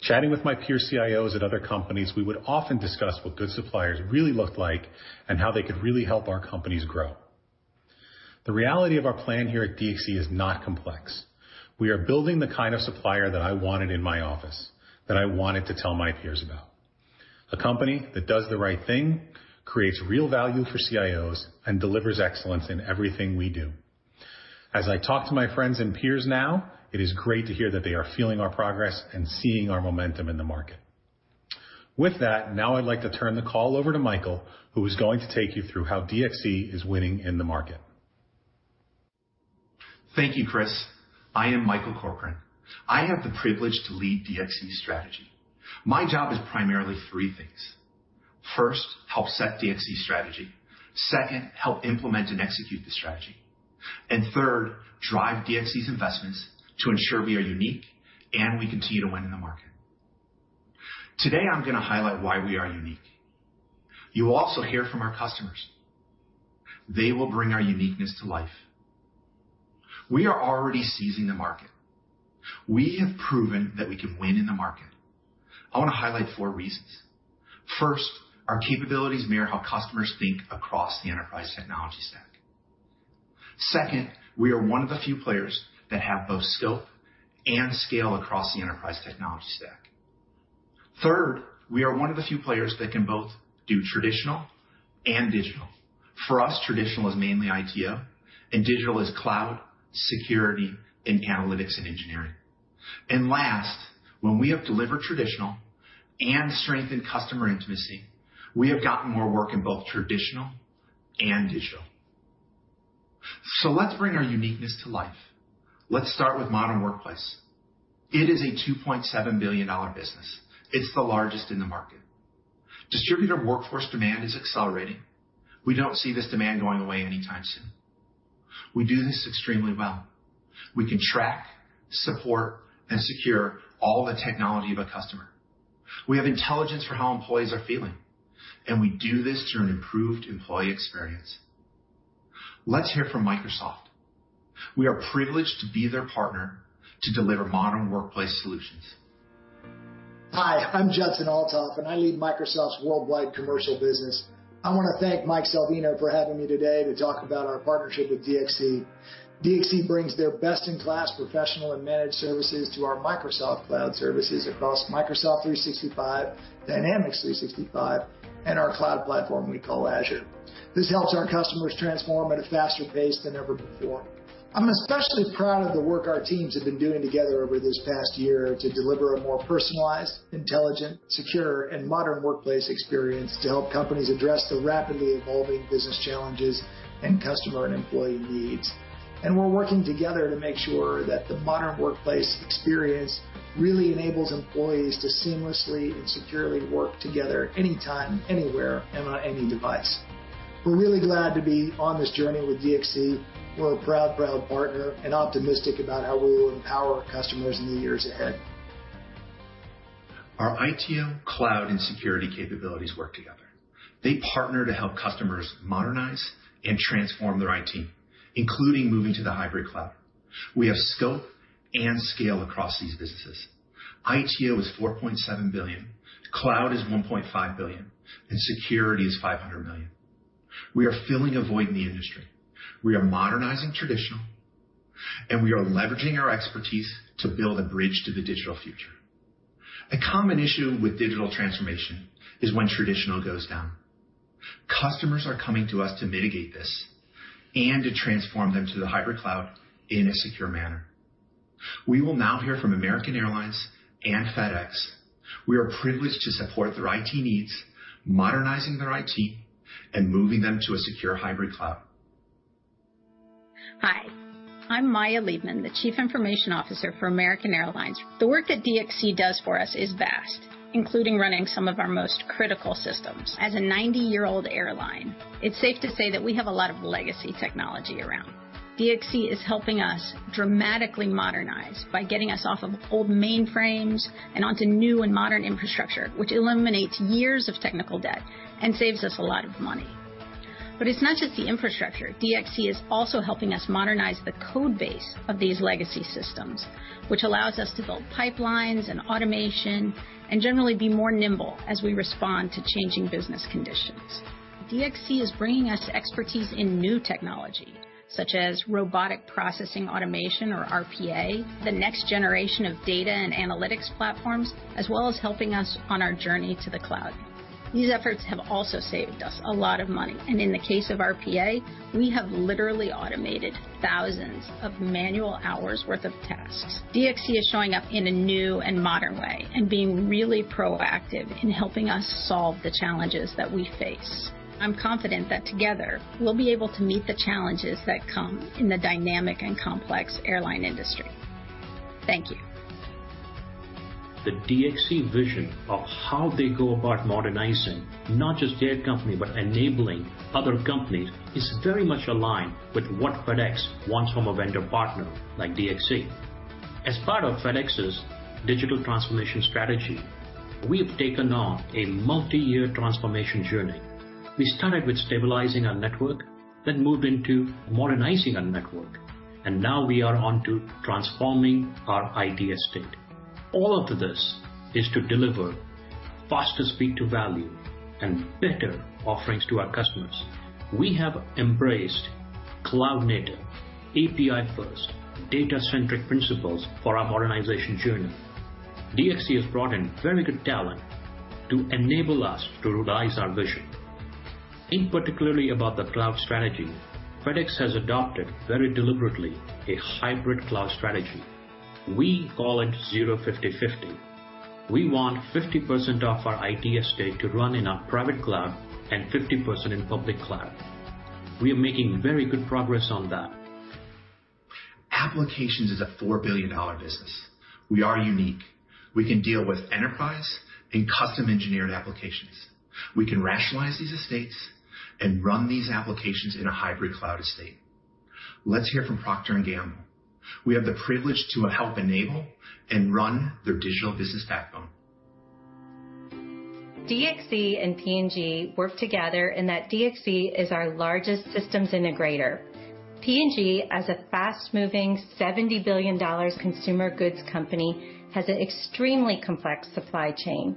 Chatting with my peer CIOs at other companies, we would often discuss what good suppliers really looked like and how they could really help our companies grow. The reality of our plan here at DXC is not complex. We are building the kind of supplier that I wanted in my office, that I wanted to tell my peers about. A company that does the right thing, creates real value for CIOs, and delivers excellence in everything we do. As I talk to my friends and peers now, it is great to hear that they are feeling our progress and seeing our momentum in the market. With that, now I'd like to turn the call over to Michael, who is going to take you through how DXC is winning in the market. Thank you, Chris. I am Michael Corcoran. I have the privilege to lead DXC strategy. My job is primarily three things. First, help set DXC strategy. Second, help implement and execute the strategy. And third, drive DXC's investments to ensure we are unique and we continue to win in the market. Today, I'm going to highlight why we are unique. You will also hear from our customers. They will bring our uniqueness to life. We are already seizing the market. We have proven that we can win in the market. I want to highlight four reasons. First, our capabilities mirror how customers think across the Enterprise Technology Stack. Second, we are one of the few players that have both scope and scale across the Enterprise Technology Stack. Third, we are one of the few players that can both do traditional and digital. For us, traditional is mainly ITO, and digital is cloud, security, and Analytics and Engineering. And last, when we have delivered traditional and strengthened customer intimacy, we have gotten more work in both traditional and digital. So let's bring our uniqueness to life. Let's start with Modern Workplace. It is a $2.7 billion business. It's the largest in the market. Distributed workforce demand is accelerating. We don't see this demand going away anytime soon. We do this extremely well. We can track, support, and secure all the technology of a customer. We have intelligence for how employees are feeling, and we do this through an improved employee experience. Let's hear from Microsoft. We are privileged to be their partner to deliver Modern Workplace solutions. Hi, I'm Justin Althoff, and I lead Microsoft's worldwide commercial business. I want to thank Mike Salvino for having me today to talk about our partnership with DXC. DXC brings their best-in-class professional and managed services to our Microsoft Cloud services across Microsoft 365, Dynamics 365, and our cloud platform we call Azure. This helps our customers transform at a faster pace than ever before. I'm especially proud of the work our teams have been doing together over this past year to deliver a more personalized, intelligent, secure, and modern workplace experience to help companies address the rapidly evolving business challenges and customer and employee needs. We're working together to make sure that the modern workplace experience really enables employees to seamlessly and securely work together anytime, anywhere, and on any device. We're really glad to be on this journey with DXC. We're a proud, proud partner and optimistic about how we will empower our customers in the years ahead. Our ITO, cloud, and security capabilities work together. They partner to help customers modernize and transform their IT, including moving to the hybrid cloud. We have scope and scale across these businesses. ITO is $4.7 billion, cloud is $1.5 billion, and security is $500 million. We are filling a void in the industry. We are modernizing traditional, and we are leveraging our expertise to build a bridge to the digital future. A common issue with digital transformation is when traditional goes down. Customers are coming to us to mitigate this and to transform them to the hybrid cloud in a secure manner. We will now hear from American Airlines and FedEx. We are privileged to support their IT needs, modernizing their IT, and moving them to a secure hybrid cloud. Hi, I'm Maya Leibman, the Chief Information Officer for American Airlines. The work that DXC does for us is vast, including running some of our most critical systems. As a 90-year-old airline, it's safe to say that we have a lot of legacy technology around. DXC is helping us dramatically modernize by getting us off of old mainframes and onto new and modern infrastructure, which eliminates years of technical debt and saves us a lot of money. But it's not just the infrastructure. DXC is also helping us modernize the code base of these legacy systems, which allows us to build pipelines and automation and generally be more nimble as we respond to changing business conditions. DXC is bringing us expertise in new technology, such as robotic process automation, or RPA, the next generation of data and analytics platforms, as well as helping us on our journey to the cloud. These efforts have also saved us a lot of money. And in the case of RPA, we have literally automated thousands of manual hours' worth of tasks. DXC is showing up in a new and modern way and being really proactive in helping us solve the challenges that we face. I'm confident that together, we'll be able to meet the challenges that come in the dynamic and complex airline industry. Thank you. The DXC vision of how they go about modernizing, not just their company, but enabling other companies, is very much aligned with what FedEx wants from a vendor partner like DXC. As part of FedEx's digital transformation strategy, we have taken on a multi-year transformation journey. We started with stabilizing our network, then moved into modernizing our network, and now we are onto transforming our IT estate. All of this is to deliver faster speed to value and better offerings to our customers. We have embraced cloud-native, API-first, data-centric principles for our modernization journey. DXC has brought in very good talent to enable us to realize our vision. In particular about the cloud strategy, FedEx has adopted very deliberately a hybrid cloud strategy. We call it zero-50-50. We want 50% of our IT estate to run in our private cloud and 50% in public cloud. We are making very good progress on that. Applications is a $4 billion business. We are unique. We can deal with enterprise and custom-engineered applications. We can rationalize these estates and run these applications in a hybrid cloud estate. Let's hear from Procter & Gamble. We have the privilege to help enable and run their digital business backbone. DXC and P&G work together in that DXC is our largest systems integrator. P&G, as a fast-moving $70 billion consumer goods company, has an extremely complex supply chain,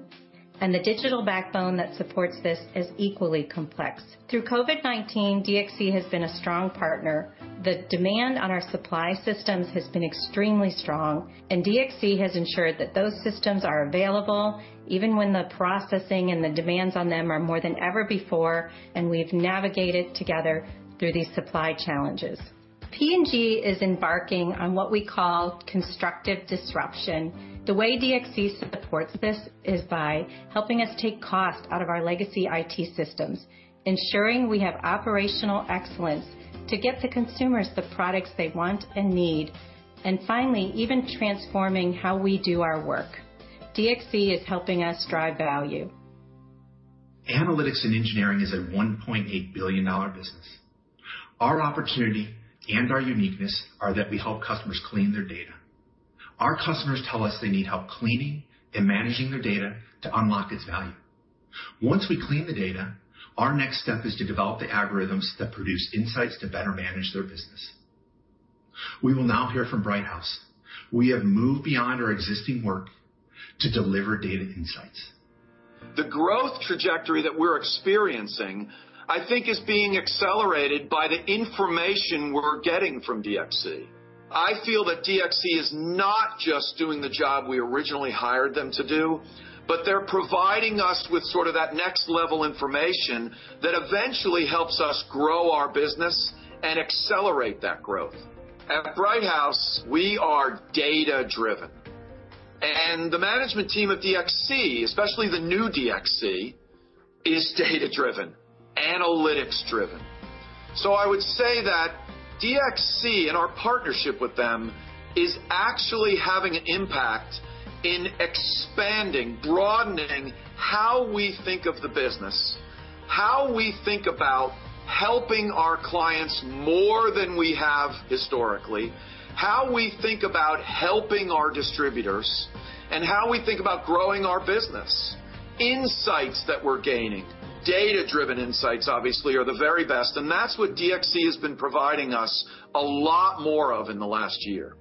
and the digital backbone that supports this is equally complex. Through COVID-19, DXC has been a strong partner. The demand on our supply systems has been extremely strong, and DXC has ensured that those systems are available even when the processing and the demands on them are more than ever before, and we've navigated together through these supply challenges. P&G is embarking on what we call constructive disruption. The way DXC supports this is by helping us take cost out of our legacy IT systems, ensuring we have operational excellence to get the consumers the products they want and need, and finally, even transforming how we do our work. DXC is helping us drive value. Analytics and Engineering is a $1.8 billion business. Our opportunity and our uniqueness are that we help customers clean their data. Our customers tell us they need help cleaning and managing their data to unlock its value. Once we clean the data, our next step is to develop the algorithms that produce insights to better manage their business. We will now hear from Brighthouse. We have moved beyond our existing work to deliver data insights. The growth trajectory that we're experiencing, I think, is being accelerated by the information we're getting from DXC. I feel that DXC is not just doing the job we originally hired them to do, but they're providing us with sort of that next-level information that eventually helps us grow our business and accelerate that growth. At Brighthouse, we are data-driven, and the management team at DXC, especially the new DXC, is data-driven, analytics-driven. So I would say that DXC and our partnership with them is actually having an impact in expanding, broadening how we think of the business, how we think about helping our clients more than we have historically, how we think about helping our distributors, and how we think about growing our business. Insights that we're gaining, data-driven insights, obviously, are the very best, and that's what DXC has been providing us a lot more of in the last year.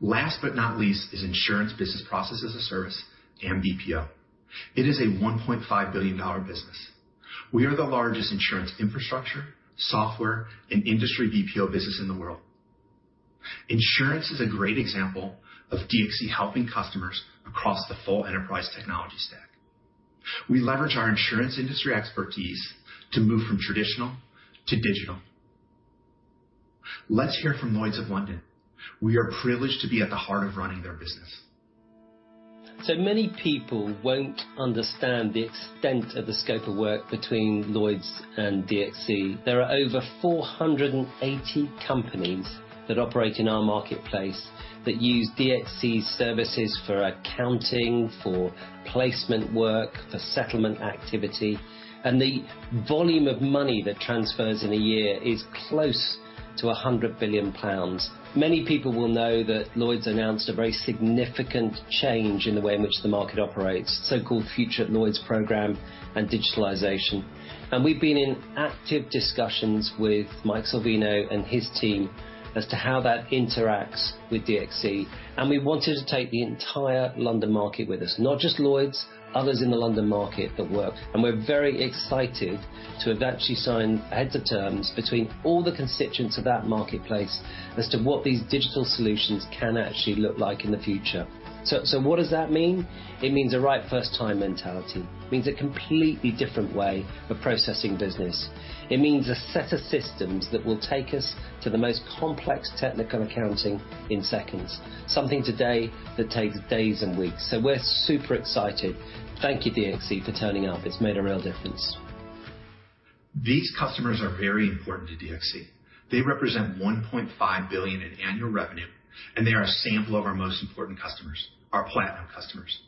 Last but not least is insurance business processes as a service and BPO. It is a $1.5 billion business. We are the largest insurance infrastructure, software, and industry BPO business in the world. Insurance is a great example of DXC helping customers across the full enterprise technology stack. We leverage our insurance industry expertise to move from traditional to digital. Let's hear from Lloyd's of London. We are privileged to be at the heart of running their business. So many people won't understand the extent of the scope of work between Lloyd's and DXC. There are over 480 companies that operate in our marketplace that use DXC's services for accounting, for placement work, for settlement activity, and the volume of money that transfers in a year is close to 100 billion pounds. Many people will know that Lloyd's announced a very significant change in the way in which the market operates, so-called Future at Lloyd's program and digitalization. And we've been in active discussions with Mike Salvino and his team as to how that interacts with DXC, and we wanted to take the entire London market with us, not just Lloyd's, others in the London market that work. And we're very excited to have actually signed heads of terms between all the constituents of that marketplace as to what these digital solutions can actually look like in the future. So what does that mean? It means a right first-time mentality. It means a completely different way of processing business. It means a set of systems that will take us to the most complex technical accounting in seconds, something today that takes days and weeks. So we're super excited. Thank you, DXC, for turning up. It's made a real difference. These customers are very important to DXC. They represent $1.5 billion in annual revenue, and they are a sample of our most important customers, our platinum customers.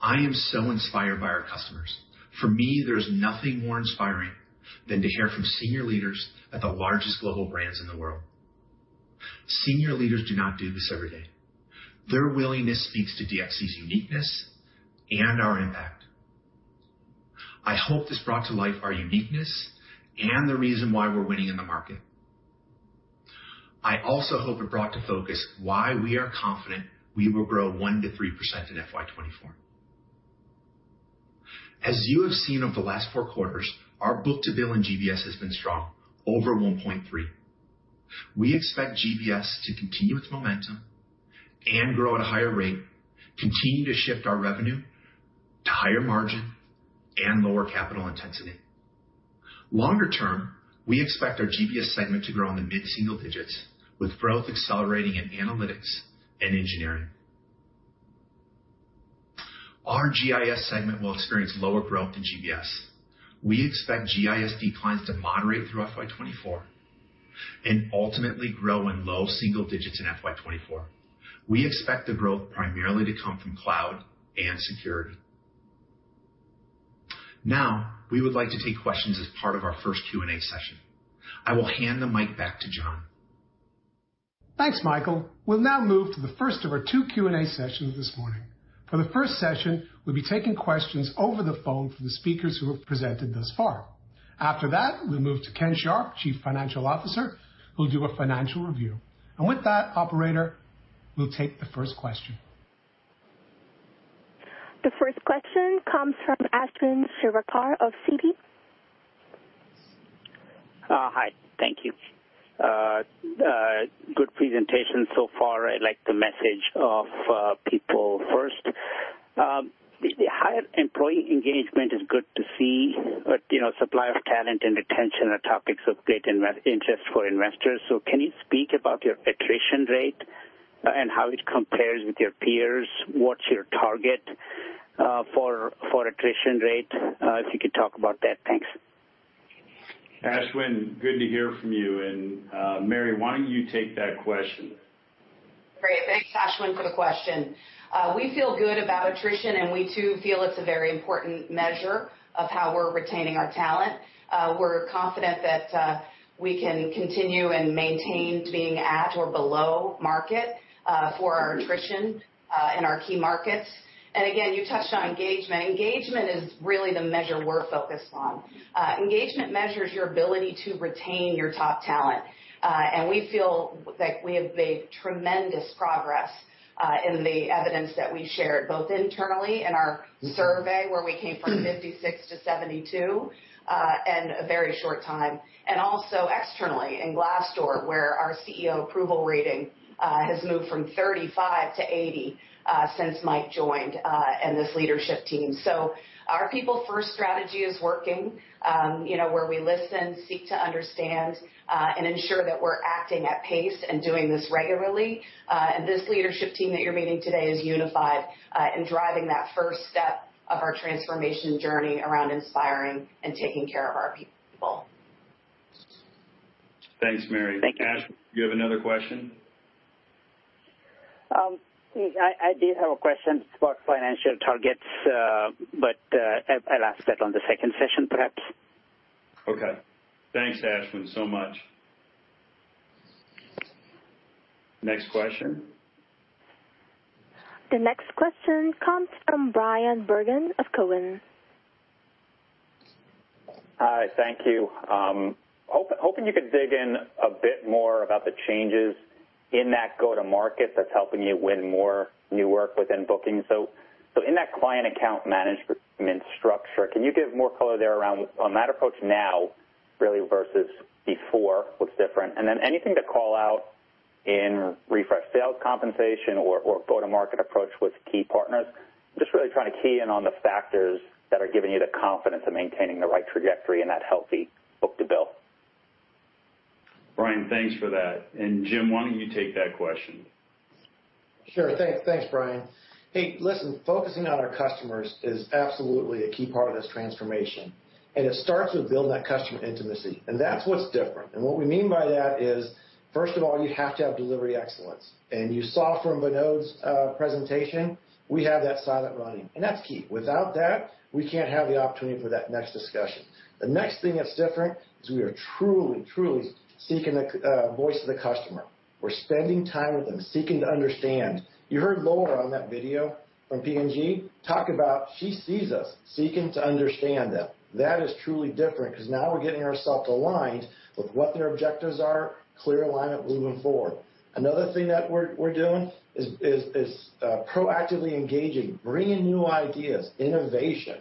I am so inspired by our customers. For me, there's nothing more inspiring than to hear from senior leaders at the largest global brands in the world. Senior leaders do not do this every day. Their willingness speaks to DXC's uniqueness and our impact. I hope this brought to life our uniqueness and the reason why we're winning in the market. I also hope it brought to focus why we are confident we will grow 1%-3% in FY24. As you have seen over the last four quarters, our book-to-bill in GBS has been strong, over 1.3. We expect GBS to continue its momentum and grow at a higher rate, continue to shift our revenue to higher margin and lower capital intensity. Longer term, we expect our GBS segment to grow in the mid-single digits, with growth accelerating in analytics and engineering. Our GIS segment will experience lower growth in GBS. We expect GIS declines to moderate through FY24 and ultimately grow in low single digits in FY24. We expect the growth primarily to come from cloud and security. Now, we would like to take questions as part of our first Q&A session. I will hand the mic back to John. Thanks, Michael. We'll now move to the first of our two Q&A sessions this morning. For the first session, we'll be taking questions over the phone from the speakers who have presented thus far. After that, we'll move to Ken Sharp, Chief Financial Officer, who will do a financial review. And with that, operator, we'll take the first question. The first question comes from Ashwin Shirvaikar of Citi. Hi. Thank you. Good presentation so far. I like the message of people first. Employee engagement is good to see, but supply of talent and retention are topics of great interest for investors. Can you speak about your attrition rate and how it compares with your peers? What's your target for attrition rate? If you could talk about that, thanks. Ashwin, good to hear from you. Mary, why don't you take that question? Great. Thanks, Ashwin, for the question. We feel good about attrition, and we too feel it's a very important measure of how we're retaining our talent. We're confident that we can continue and maintain being at or below market for our attrition in our key markets. Again, you touched on engagement. Engagement is really the measure we're focused on. Engagement measures your ability to retain your top talent, and we feel that we have made tremendous progress in the evidence that we shared, both internally in our survey where we came from 56-72 in a very short time, and also externally in Glassdoor, where our CEO approval rating has moved from 35-80 since Mike joined and this leadership team. So our people-first strategy is working, where we listen, seek to understand, and ensure that we're acting at pace and doing this regularly. And this leadership team that you're meeting today is unified in driving that first step of our transformation journey around inspiring and taking care of our people. Thanks, Mary. Thank you. Ashwin, do you have another question? I did have a question about financial targets, but I'll ask that on the second session, perhaps. Okay. Thanks, Ashwin, so much. Next question. The next question comes from Bryan Bergin of Cowen. Hi. Thank you. Hoping you could dig in a bit more about the changes in that go-to-market that's helping you win more new work within booking. So in that client account management structure, can you give more color there around on that approach now, really, versus before? What's different? And then anything to call out in refreshed sales compensation or go-to-market approach with key partners? Just really trying to key in on the factors that are giving you the confidence of maintaining the right trajectory and that healthy book-to-bill. Brian, thanks for that. And Jim, why don't you take that question? Sure. Thanks, Bryan. Hey, listen, focusing on our customers is absolutely a key part of this transformation. And it starts with building that customer intimacy. And that's what's different. And what we mean by that is, first of all, you have to have delivery excellence. And you saw from Vinod's presentation, we have that silent running. And that's key. Without that, we can't have the opportunity for that next discussion. The next thing that's different is we are truly, truly seeking the voice of the customer. We're spending time with them, seeking to understand. You heard Laura on that video from P&G talk about she sees us seeking to understand them. That is truly different because now we're getting ourselves aligned with what their objectives are, clear alignment moving forward. Another thing that we're doing is proactively engaging, bringing new ideas, innovation.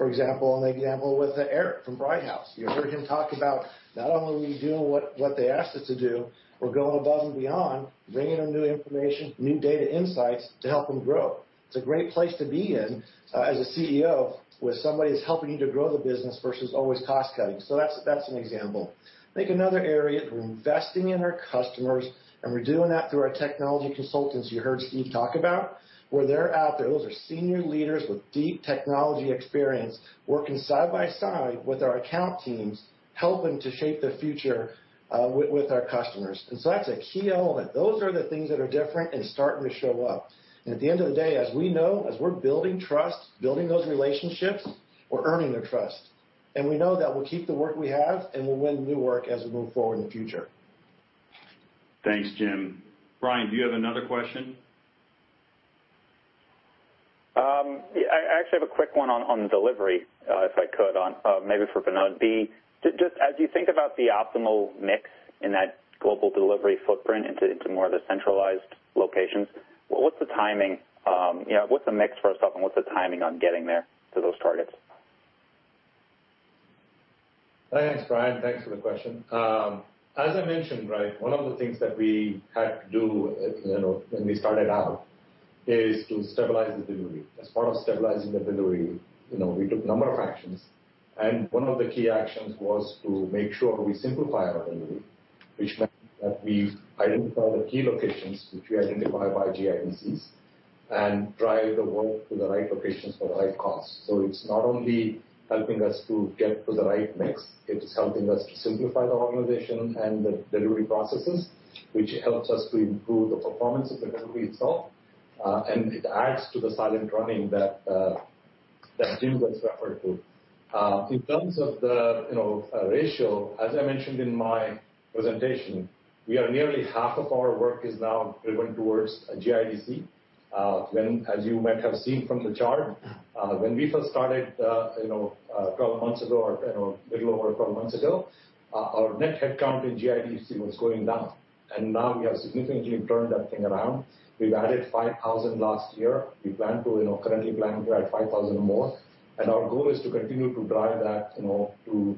For example, an example with Eric from Brighthouse. You heard him talk about not only are we doing what they asked us to do, we're going above and beyond, bringing them new information, new data insights to help them grow. It's a great place to be in as a CEO when somebody is helping you to grow the business versus always cost-cutting, so that's an example. I think another area is we're investing in our customers, and we're doing that through our technology consultants you heard Steve talk about, where they're out there. Those are senior leaders with deep technology experience working side by side with our account teams, helping to shape the future with our customers, and so that's a key element. Those are the things that are different and starting to show up, and at the end of the day, as we know, as we're building trust, building those relationships, we're earning their trust. We know that we'll keep the work we have and we'll win new work as we move forward in the future. Thanks, Jim. Brian, do you have another question? I actually have a quick one on delivery, if I could, maybe for Vinod. Just as you think about the optimal mix in that global delivery footprint into more of the centralized locations, what's the timing? What's the mix, first off, and what's the timing on getting there to those targets? Thanks, Bryan. Thanks for the question. As I mentioned, right, one of the things that we had to do when we started out is to stabilize the delivery. As part of stabilizing the delivery, we took a number of actions. One of the key actions was to make sure we simplify our delivery, which meant that we identify the key locations, which we identify by GIDCs, and drive the work to the right locations for the right costs. It's not only helping us to get to the right mix. It's helping us to simplify the organization and the delivery processes, which helps us to improve the performance of the delivery itself. It adds to the silent running that Jim just referred to. In terms of the ratio, as I mentioned in my presentation, nearly half of our work is now driven towards a GIDC. As you might have seen from the chart, when we first started 12 months ago or a little over 12 months ago, our net headcount in GIDC was going down. Now we have significantly turned that thing around. We've added 5,000 last year. We currently plan to add 5,000 more. And our goal is to continue to drive that to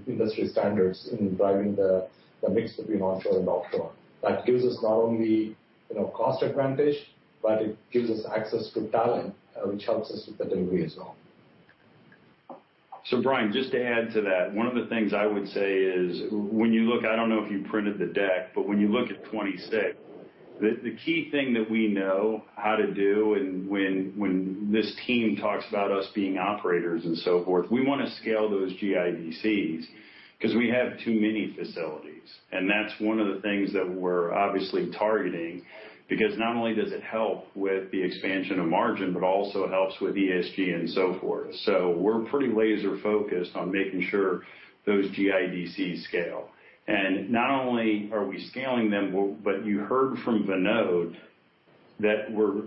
industry standards in driving the mix between onshore and offshore. That gives us not only cost advantage, but it gives us access to talent, which helps us with the delivery as well. So, Bryan, just to add to that, one of the things I would say is, when you look, I don't know if you printed the deck, but when you look at 26, the key thing that we know how to do when this team talks about us being operators and so forth, we want to scale those GIDCs because we have too many facilities. And that's one of the things that we're obviously targeting because not only does it help with the expansion of margin, but also helps with ESG and so forth. So we're pretty laser-focused on making sure those GIDCs scale. And not only are we scaling them, but you heard from Vinod that we're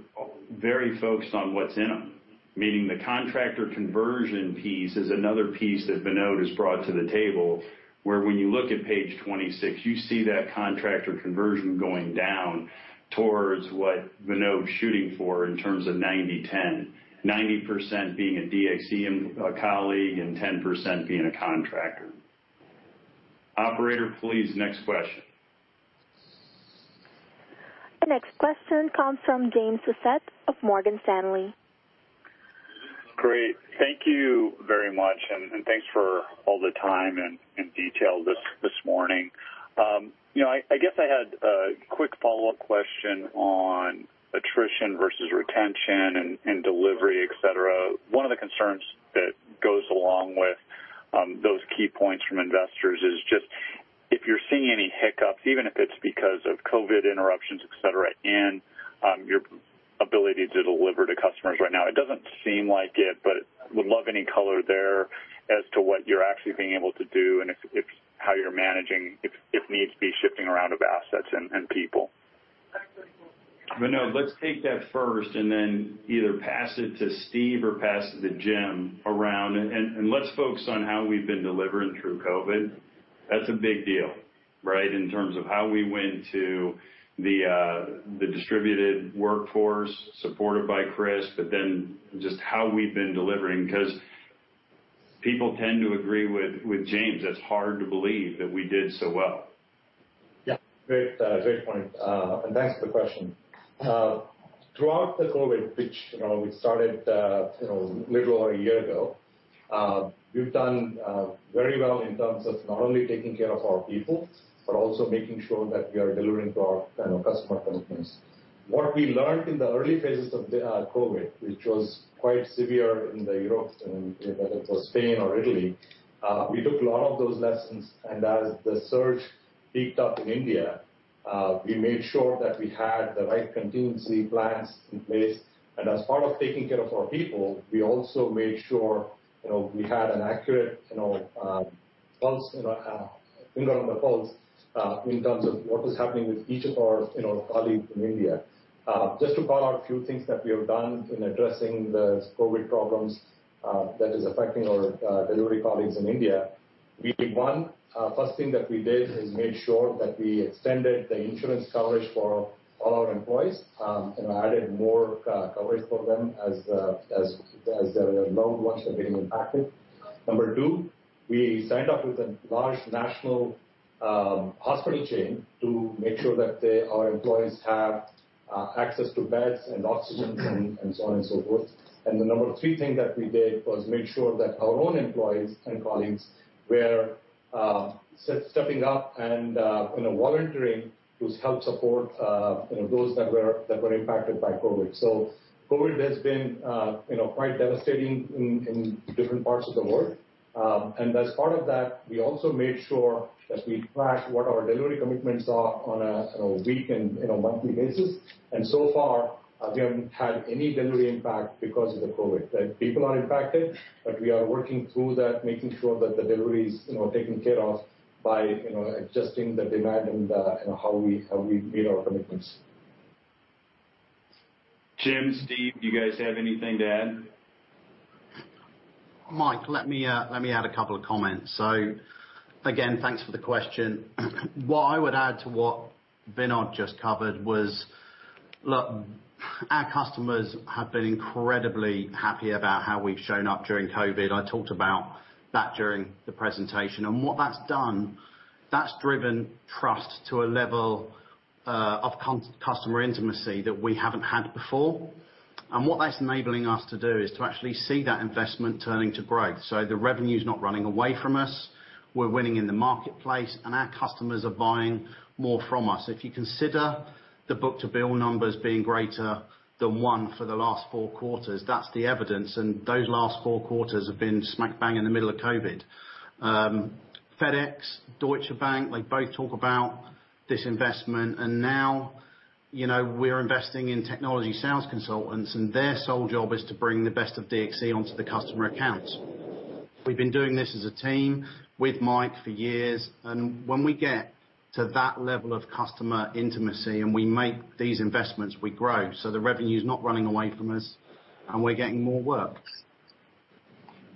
very focused on what's in them, meaning the contractor conversion piece is another piece that Vinod has brought to the table, where when you look at page 26, you see that contractor conversion going down towards what Vinod's shooting for in terms of 90-10, 90% being a DXC colleague and 10% being a contractor. Operator, please, next question. The next question comes from James Faucette of Morgan Stanley. Great. Thank you very much. And thanks for all the time and detail this morning. I guess I had a quick follow-up question on attrition versus retention and delivery, etc. One of the concerns that goes along with those key points from investors is just if you're seeing any hiccups, even if it's because of COVID interruptions, etc., in your ability to deliver to customers right now. It doesn't seem like it, but would love any color there as to what you're actually being able to do and how you're managing, if needs be, shifting around of assets and people. Vinod, let's take that first and then either pass it to Steve or pass it to Jim around and let's focus on how we've been delivering through COVID. That's a big deal, right, in terms of how we went to the distributed workforce supported by Chris, but then just how we've been delivering because people tend to agree with James. It's hard to believe that we did so well. Yeah. Great point and thanks for the question. Throughout the COVID, which we started a little over a year ago, we've done very well in terms of not only taking care of our people, but also making sure that we are delivering to our customer companies. What we learned in the early phases of COVID, which was quite severe in Europe, whether it was Spain or Italy, we took a lot of those lessons. As the surge picked up in India, we made sure that we had the right contingency plans in place, and as part of taking care of our people, we also made sure we had an accurate finger on the pulse in terms of what was happening with each of our colleagues in India. Just to call out a few things that we have done in addressing the COVID problems that are affecting our delivery colleagues in India. First thing that we did is made sure that we extended the insurance coverage for all our employees and added more coverage for them as the ill ones are getting impacted. Number two, we signed up with a large national hospital chain to make sure that our employees have access to beds and oxygen and so on and so forth. And the number three thing that we did was make sure that our own employees and colleagues were stepping up and volunteering to help support those that were impacted by COVID. So COVID has been quite devastating in different parts of the world. And as part of that, we also made sure that we tracked what our delivery commitments are on a weekly and monthly basis. And so far, we haven't had any delivery impact because of the COVID. People are impacted, but we are working through that, making sure that the delivery is taken care of by adjusting the demand and how we meet our commitments. Jim, Steve, do you guys have anything to add? Mike, let me add a couple of comments. So again, thanks for the question. What I would add to what Vinod just covered was, look, our customers have been incredibly happy about how we've shown up during COVID. I talked about that during the presentation. And what that's done, that's driven trust to a level of customer intimacy that we haven't had before. And what that's enabling us to do is to actually see that investment turning to growth. So the revenue is not running away from us. We're winning in the marketplace, and our customers are buying more from us. If you consider the book-to-bill numbers being greater than one for the last four quarters, that's the evidence, and those last four quarters have been smack bang in the middle of COVID. FedEx, Deutsche Bank, they both talk about this investment, and now we're investing in technology sales consultants, and their sole job is to bring the best of DXC onto the customer accounts. We've been doing this as a team with Mike for years, and when we get to that level of customer intimacy and we make these investments, we grow, so the revenue is not running away from us, and we're getting more work.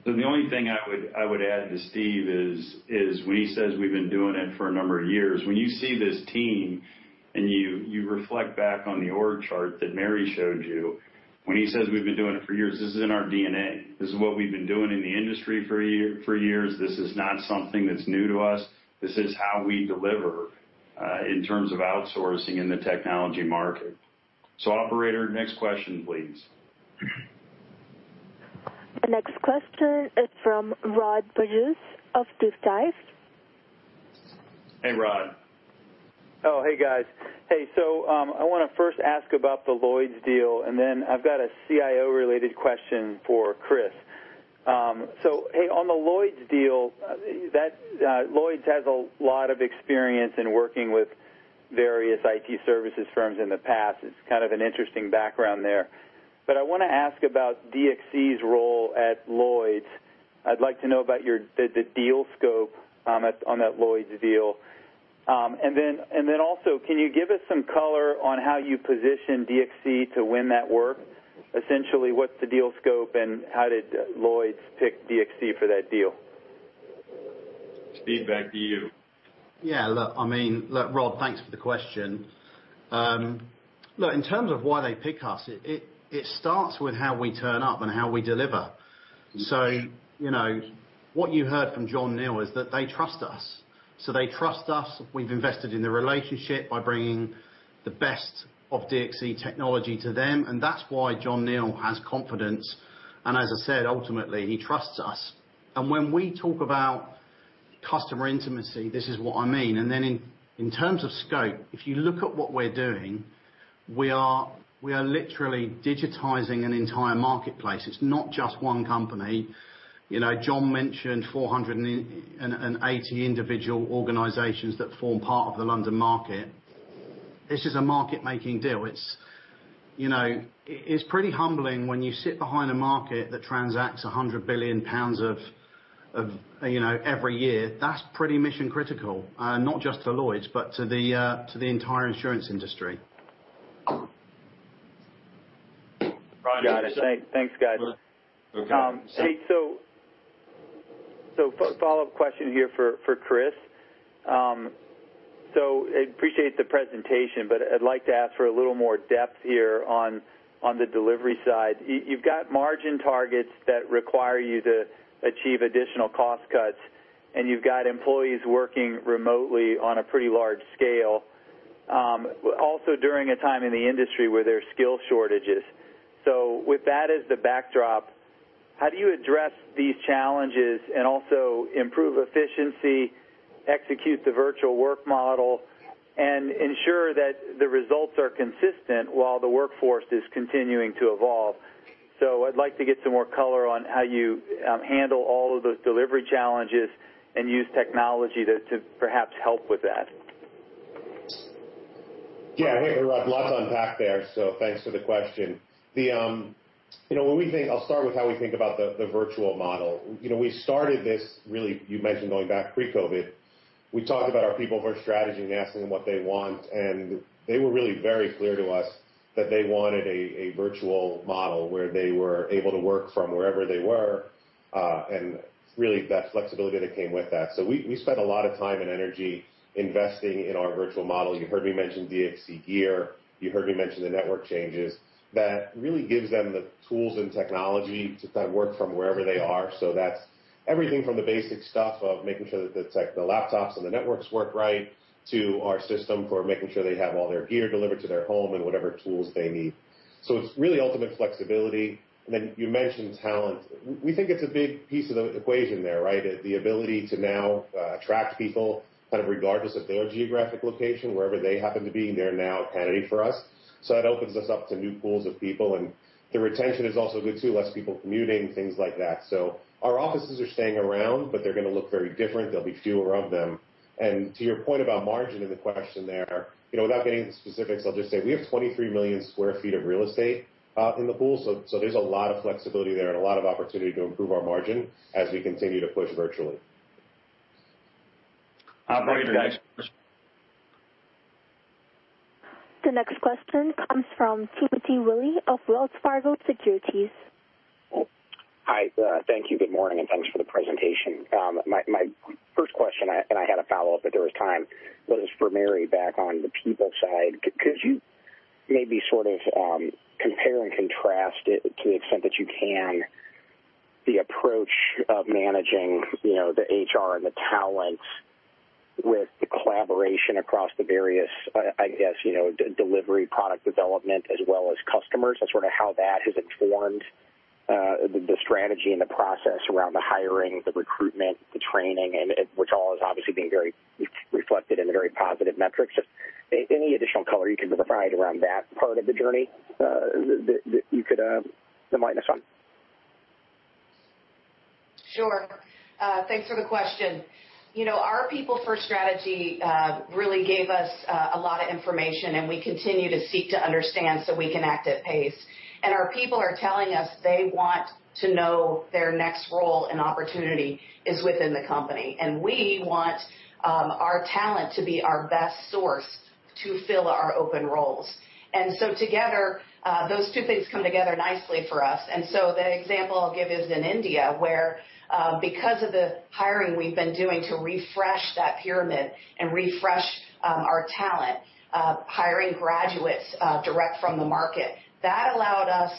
So the only thing I would add to Steve is when he says we've been doing it for a number of years, when you see this team and you reflect back on the org chart that Mary showed you, when he says we've been doing it for years, this is in our DNA. This is what we've been doing in the industry for years. This is not something that's new to us. This is how we deliver in terms of outsourcing in the technology market. So operator, next question, please. The next question is from Rod Bourgeois of DeepDive. Hey, Rod. Oh, hey, guys. Hey, so I want to first ask about the Lloyd's deal, and then I've got a CIO-related question for Chris. So hey, on the Lloyd's deal, Lloyd's has a lot of experience in working with various IT services firms in the past. It's kind of an interesting background there, but I want to ask about DXC's role at Lloyd's. I'd like to know about the deal scope on that Lloyd's deal. And then also, can you give us some color on how you positioned DXC to win that work? Essentially, what's the deal scope and how did Lloyd's pick DXC for that deal? Steve back to you. Yeah. Look, I mean, look, Rod, thanks for the question. Look, in terms of why they pick us, it starts with how we turn up and how we deliver. So what you heard from John Neal is that they trust us. So they trust us. We've invested in the relationship by bringing the best of DXC Technology to them. And that's why John Neal has confidence. And as I said, ultimately, he trusts us. When we talk about customer intimacy, this is what I mean. And then in terms of scope, if you look at what we're doing, we are literally digitizing an entire marketplace. It's not just one company. John mentioned 480 individual organizations that form part of the London market. This is a market-making deal. It's pretty humbling when you sit behind a market that transacts 100 billion pounds every year. That's pretty mission-critical, not just to Lloyd's, but to the entire insurance industry. Got it. Thanks, guys. Okay. Hey, so follow-up question here for Chris. So I appreciate the presentation, but I'd like to ask for a little more depth here on the delivery side. You've got margin targets that require you to achieve additional cost cuts, and you've got employees working remotely on a pretty large scale, also during a time in the industry where there are skill shortages. With that as the backdrop, how do you address these challenges and also improve efficiency, execute the virtual work model, and ensure that the results are consistent while the workforce is continuing to evolve? I'd like to get some more color on how you handle all of those delivery challenges and use technology to perhaps help with that. Yeah. Hey, Rod, lots to unpack there. Thanks for the question. When we think, I'll start with how we think about the virtual model. We started this really, you mentioned going back pre-COVID. We talked about our people, our strategy, and asking them what they want. And they were really very clear to us that they wanted a virtual model where they were able to work from wherever they were and really that flexibility that came with that. We spent a lot of time and energy investing in our virtual model. You heard me mention DXC Gear. You heard me mention the network changes. That really gives them the tools and technology to kind of work from wherever they are. So that's everything from the basic stuff of making sure that the laptops and the networks work right to our system for making sure they have all their gear delivered to their home and whatever tools they need. So it's really ultimate flexibility. And then you mentioned talent. We think it's a big piece of the equation there, right? The ability to now attract people kind of regardless of their geographic location, wherever they happen to be, they're now a candidate for us. So that opens us up to new pools of people. And the retention is also good too, less people commuting, things like that. Our offices are staying around, but they're going to look very different. There'll be fewer of them. And to your point about margin in the question there, without getting into specifics, I'll just say we have 23 million sq ft of real estate in the pool. So there's a lot of flexibility there and a lot of opportunity to improve our margin as we continue to push virtually. Operator, thanks. The next question comes from Timothy Willi of Wells Fargo Securities. Hi. Thank you. Good morning. And thanks for the presentation. My first question, and I had a follow-up if there was time, was for Mary back on the people side. Could you maybe sort of compare and contrast it to the extent that you can the approach of managing the HR and the talent with the collaboration across the various, I guess, delivery product development as well as customers and sort of how that has informed the strategy and the process around the hiring, the recruitment, the training, which all has obviously been very reflected in the very positive metrics? Any additional color you can provide around that part of the journey that you could enlighten us on? Sure. Thanks for the question. Our people-first strategy really gave us a lot of information, and we continue to seek to understand so we can act at pace. And our people are telling us they want to know their next role and opportunity is within the company. We want our talent to be our best source to fill our open roles. So together, those two things come together nicely for us. The example I'll give is in India where, because of the hiring we've been doing to refresh that pyramid and refresh our talent, hiring graduates direct from the market, that allowed us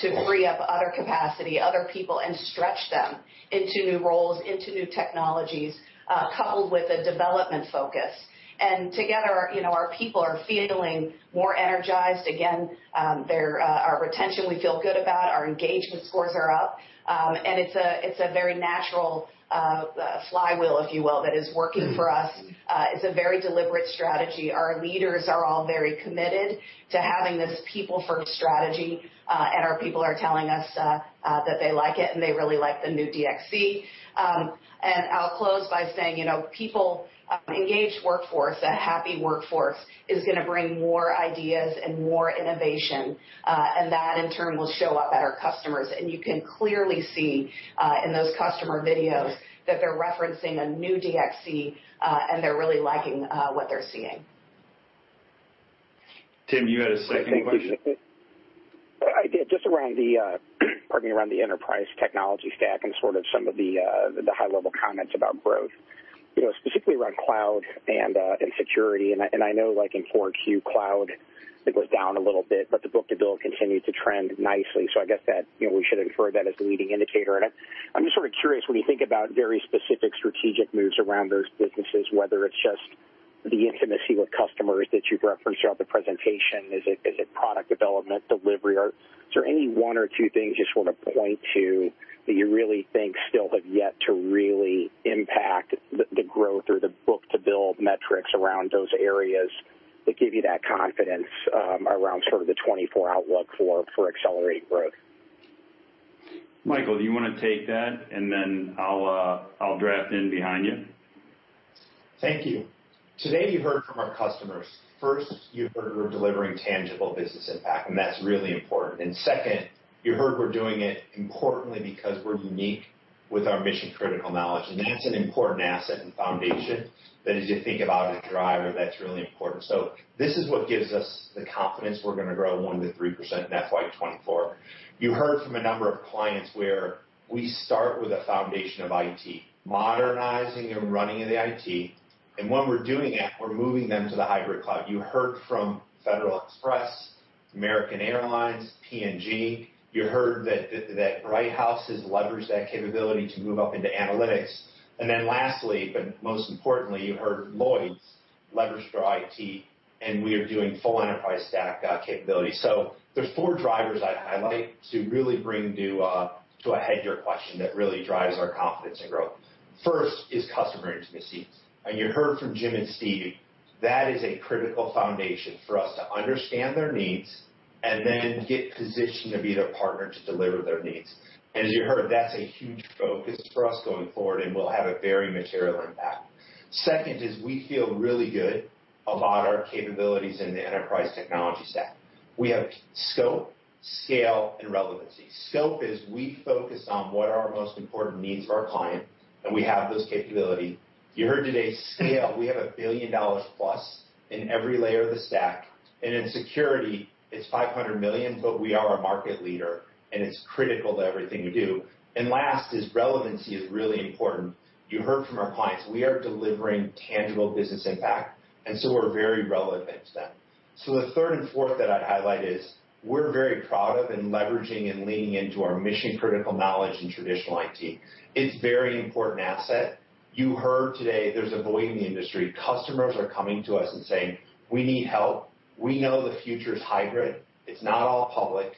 to free up other capacity, other people, and stretch them into new roles, into new technologies, coupled with a development focus. Together, our people are feeling more energized. Again, our retention, we feel good about. Our engagement scores are up. It's a very natural flywheel, if you will, that is working for us. It's a very deliberate strategy. Our leaders are all very committed to having this people-first strategy. Our people are telling us that they like it, and they really like the new DXC. And I'll close by saying people, engaged workforce, a happy workforce is going to bring more ideas and more innovation. And that, in turn, will show up at our customers. And you can clearly see in those customer videos that they're referencing a new DXC, and they're really liking what they're seeing. Tim, you had a second question. I did. Just around the, pardon me, around the enterprise technology stack and sort of some of the high-level comments about growth, specifically around cloud and security. And I know in Q4, cloud, it was down a little bit, but the book-to-bill continued to trend nicely. So I guess that we should infer that as a leading indicator. I'm just sort of curious, when you think about very specific strategic moves around those businesses, whether it's just the intimacy with customers that you've referenced throughout the presentation, is it product development, delivery? Is there any one or two things you sort of point to that you really think still have yet to really impact the growth or the book-to-bill metrics around those areas that give you that confidence around sort of the 24-hour work for accelerated growth? Michael, do you want to take that? Then I'll draft in behind you. Thank you. Today, you heard from our customers. First, you heard we're delivering tangible business impact, and that's really important. Second, you heard we're doing it importantly because we're unique with our mission-critical knowledge. That's an important asset and foundation that, as you think about it, is a driver that's really important. So this is what gives us the confidence we're going to grow 1%-3% in FY 2024. You heard from a number of clients where we start with a foundation of IT, modernizing and running the IT. And when we're doing that, we're moving them to the hybrid cloud. You heard from Federal Express, American Airlines, P&G. You heard that Brighthouse has leveraged that capability to move up into analytics. And then lastly, but most importantly, you heard Lloyd's leverage their IT, and we are doing full enterprise stack capability. So there's four drivers I'd highlight to really bring to a head your question that really drives our confidence and growth. First is customer intimacy. And you heard from Jim and Steve. That is a critical foundation for us to understand their needs and then get positioned to be their partner to deliver their needs. And as you heard, that's a huge focus for us going forward, and we'll have a very material impact. Second is we feel really good about our capabilities in the enterprise technology stack. We have scope, scale, and relevancy. Scope is we focus on what are our most important needs for our client, and we have those capabilities. You heard today, scale, we have $1 billion plus in every layer of the stack. And in security, it's $500 million, but we are a market leader, and it's critical to everything we do. And last is relevancy is really important. You heard from our clients. We are delivering tangible business impact, and so we're very relevant to them. So the third and fourth that I'd highlight is we're very proud of and leveraging and leaning into our mission-critical knowledge in traditional IT. It's a very important asset. You heard today there's a void in the industry. Customers are coming to us and saying, "We need help. We know the future is hybrid. It's not all public.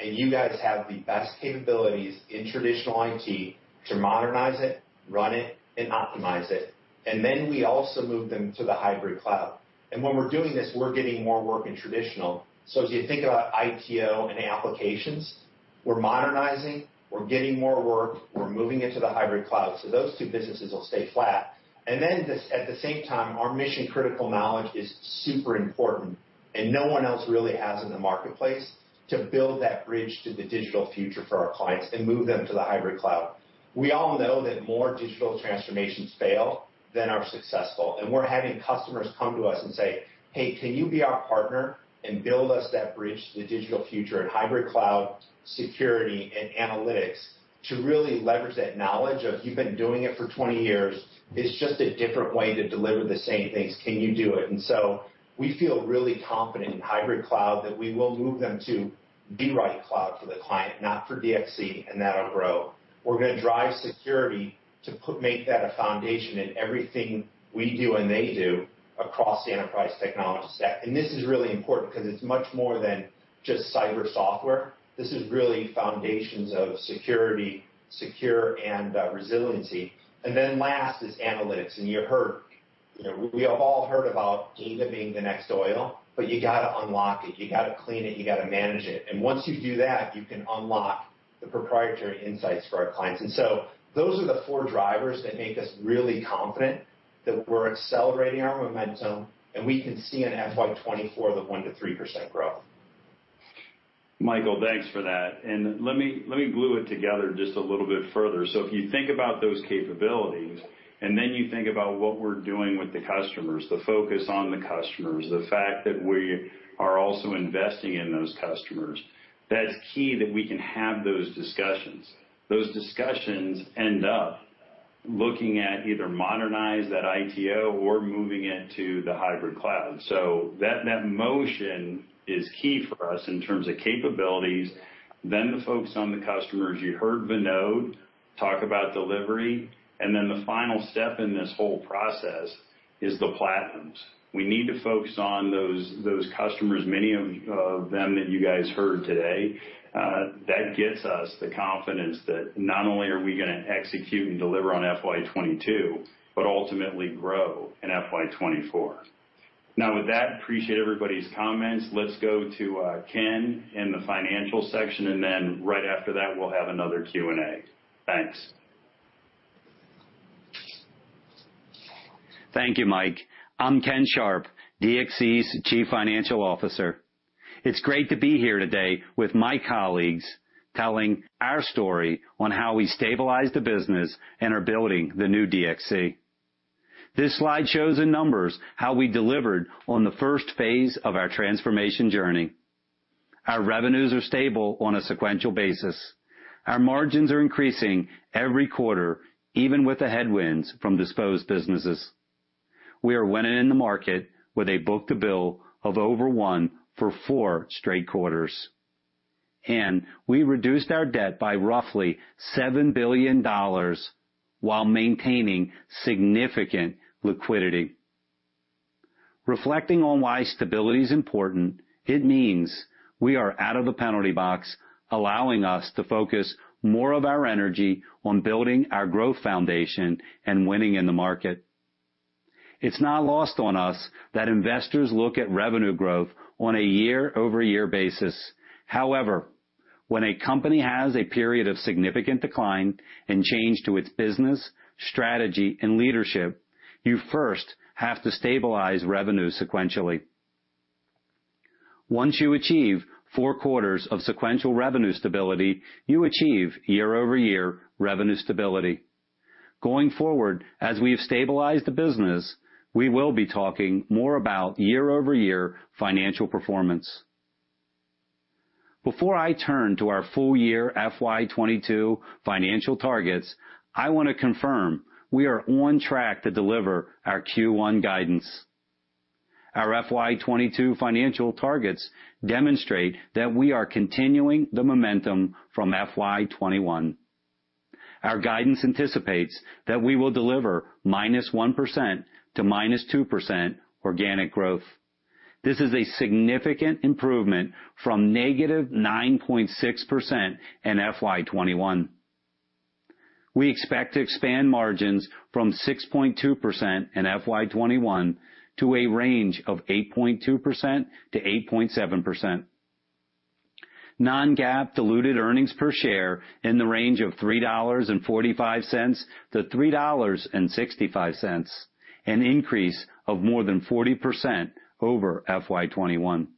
And you guys have the best capabilities in traditional IT to modernize it, run it, and optimize it." And then we also move them to the hybrid cloud. And when we're doing this, we're getting more work in traditional. So as you think about ITO and applications, we're modernizing. We're getting more work. We're moving into the hybrid cloud. So those two businesses will stay flat. And then at the same time, our mission-critical knowledge is super important, and no one else really has in the marketplace to build that bridge to the digital future for our clients and move them to the hybrid cloud. We all know that more digital transformations fail than are successful. We're having customers come to us and say, "Hey, can you be our partner and build us that bridge to the digital future and hybrid cloud, security, and analytics to really leverage that knowledge of you've been doing it for 20 years? It's just a different way to deliver the same things. Can you do it?" We feel really confident in hybrid cloud that we will move them to the right cloud for the client, not for DXC, and that'll grow. We're going to drive security to make that a foundation in everything we do and they do across the enterprise technology stack. This is really important because it's much more than just cyber software. This is really foundations of security, secure, and resiliency. Last is analytics. You heard we have all heard about data being the next oil, but you got to unlock it. You got to clean it. You got to manage it. And once you do that, you can unlock the proprietary insights for our clients. And so those are the four drivers that make us really confident that we're accelerating our momentum, and we can see in FY 24 the 1%-3% growth. Michael, thanks for that. Let me glue it together just a little bit further. So if you think about those capabilities, and then you think about what we're doing with the customers, the focus on the customers, the fact that we are also investing in those customers, that's key that we can have those discussions. Those discussions end up looking at either modernizing that ITO or moving it to the hybrid cloud. So that motion is key for us in terms of capabilities, then the focus on the customers. You heard Vinod talk about delivery. And then the final step in this whole process is the platinums. We need to focus on those customers, many of them that you guys heard today. That gets us the confidence that not only are we going to execute and deliver on FY 2022, but ultimately grow in FY 2024. Now, with that, appreciate everybody's comments. Let's go to Ken in the financial section. And then right after that, we'll have another Q&A. Thanks. Thank you, Mike. I'm Ken Sharp, DXC's Chief Financial Officer. It's great to be here today with my colleagues telling our story on how we stabilized the business and are building the new DXC. This slide shows in numbers how we delivered on the first phase of our transformation journey. Our revenues are stable on a sequential basis. Our margins are increasing every quarter, even with the headwinds from disposed businesses. We are winning in the market with a book-to-bill of over one for four straight quarters. And we reduced our debt by roughly $7 billion while maintaining significant liquidity. Reflecting on why stability is important, it means we are out of the penalty box, allowing us to focus more of our energy on building our growth foundation and winning in the market. It's not lost on us that investors look at revenue growth on a year-over-year basis. However, when a company has a period of significant decline and change to its business, strategy, and leadership, you first have to stabilize revenue sequentially. Once you achieve four quarters of sequential revenue stability, you achieve year-over-year revenue stability. Going forward, as we have stabilized the business, we will be talking more about year-over-year financial performance. Before I turn to our full-year FY 2022 financial targets, I want to confirm we are on track to deliver our Q1 guidance. Our FY 2022 financial targets demonstrate that we are continuing the momentum from FY 2021. Our guidance anticipates that we will deliver minus 1% to minus 2% organic growth. This is a significant improvement from negative 9.6% in FY 2021. We expect to expand margins from 6.2% in FY 2021 to a range of 8.2%-8.7%. Non-GAAP diluted earnings per share in the range of $3.45-$3.65, an increase of more than 40% over FY 2021,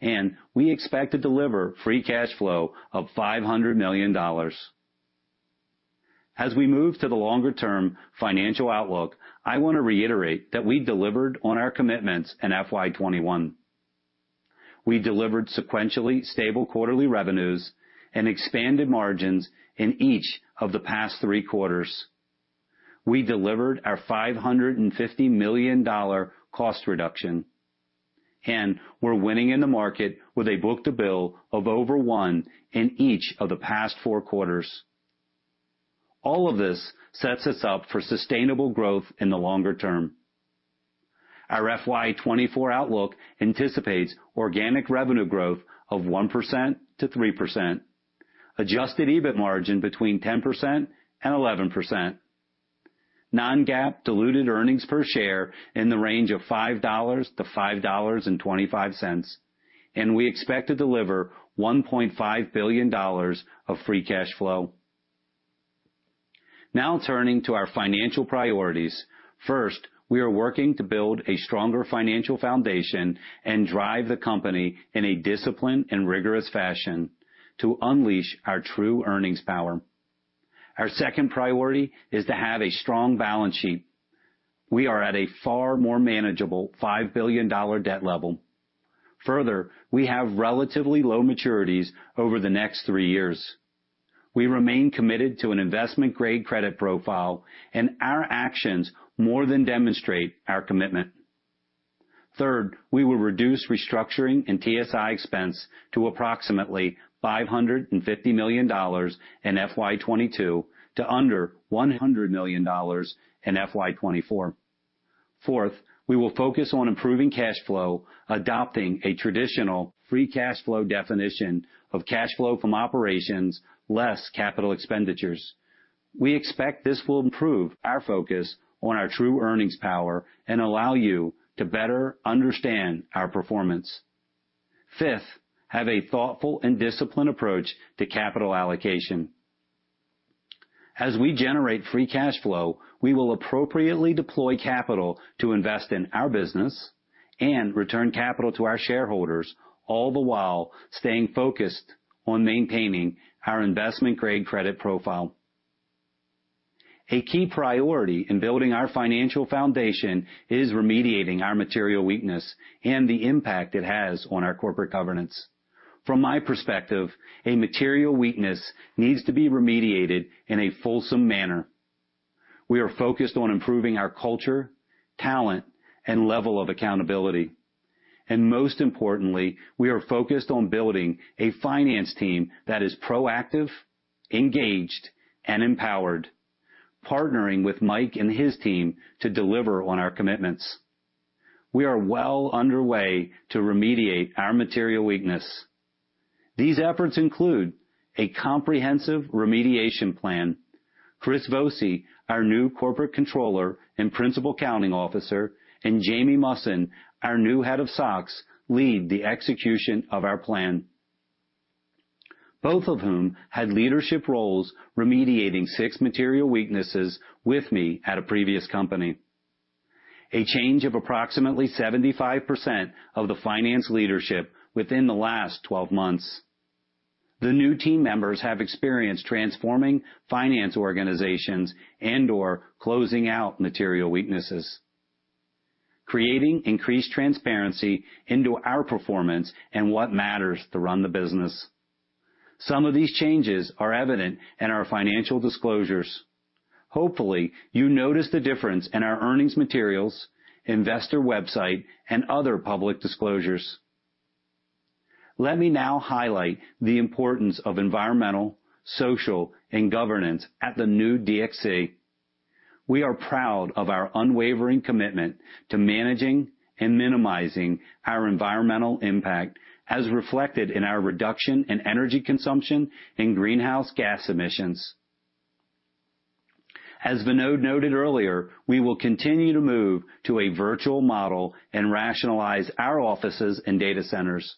and we expect to deliver free cash flow of $500 million. As we move to the longer-term financial outlook, I want to reiterate that we delivered on our commitments in FY 2021. We delivered sequentially stable quarterly revenues and expanded margins in each of the past three quarters. We delivered our $550 million cost reduction, and we're winning in the market with a book-to-bill of over one in each of the past four quarters. All of this sets us up for sustainable growth in the longer term. Our FY 24 outlook anticipates organic revenue growth of 1%-3%, adjusted EBIT margin between 10% and 11%, non-GAAP diluted earnings per share in the range of $5.00-$5.25, and we expect to deliver $1.5 billion of free cash flow. Now turning to our financial priorities, first, we are working to build a stronger financial foundation and drive the company in a disciplined and rigorous fashion to unleash our true earnings power. Our second priority is to have a strong balance sheet. We are at a far more manageable $5 billion debt level. Further, we have relatively low maturities over the next three years. We remain committed to an investment-grade credit profile, and our actions more than demonstrate our commitment. Third, we will reduce restructuring and TSI expense to approximately $550 million in FY 2022 to under $100 million in FY 2024. Fourth, we will focus on improving cash flow, adopting a traditional free cash flow definition of cash flow from operations less capital expenditures. We expect this will improve our focus on our true earnings power and allow you to better understand our performance. Fifth, have a thoughtful and disciplined approach to capital allocation. As we generate free cash flow, we will appropriately deploy capital to invest in our business and return capital to our shareholders, all the while staying focused on maintaining our investment-grade credit profile. A key priority in building our financial foundation is remediating our material weakness and the impact it has on our corporate governance. From my perspective, a material weakness needs to be remediated in a fulsome manner. We are focused on improving our culture, talent, and level of accountability. And most importantly, we are focused on building a finance team that is proactive, engaged, and empowered, partnering with Mike and his team to deliver on our commitments. We are well underway to remediate our material weakness. These efforts include a comprehensive remediation plan. Chris Vose, our new corporate controller and principal accounting officer, and Jamie Musson, our new head of SOX, lead the execution of our plan, both of whom had leadership roles remediating six material weaknesses with me at a previous company. A change of approximately 75% of the finance leadership within the last 12 months. The new team members have experienced transforming finance organizations and/or closing out material weaknesses, creating increased transparency into our performance and what matters to run the business. Some of these changes are evident in our financial disclosures. Hopefully, you notice the difference in our earnings materials, investor website, and other public disclosures. Let me now highlight the importance of environmental, social, and governance at the new DXC. We are proud of our unwavering commitment to managing and minimizing our environmental impact, as reflected in our reduction in energy consumption and greenhouse gas emissions. As Vinod noted earlier, we will continue to move to a virtual model and rationalize our offices and data centers.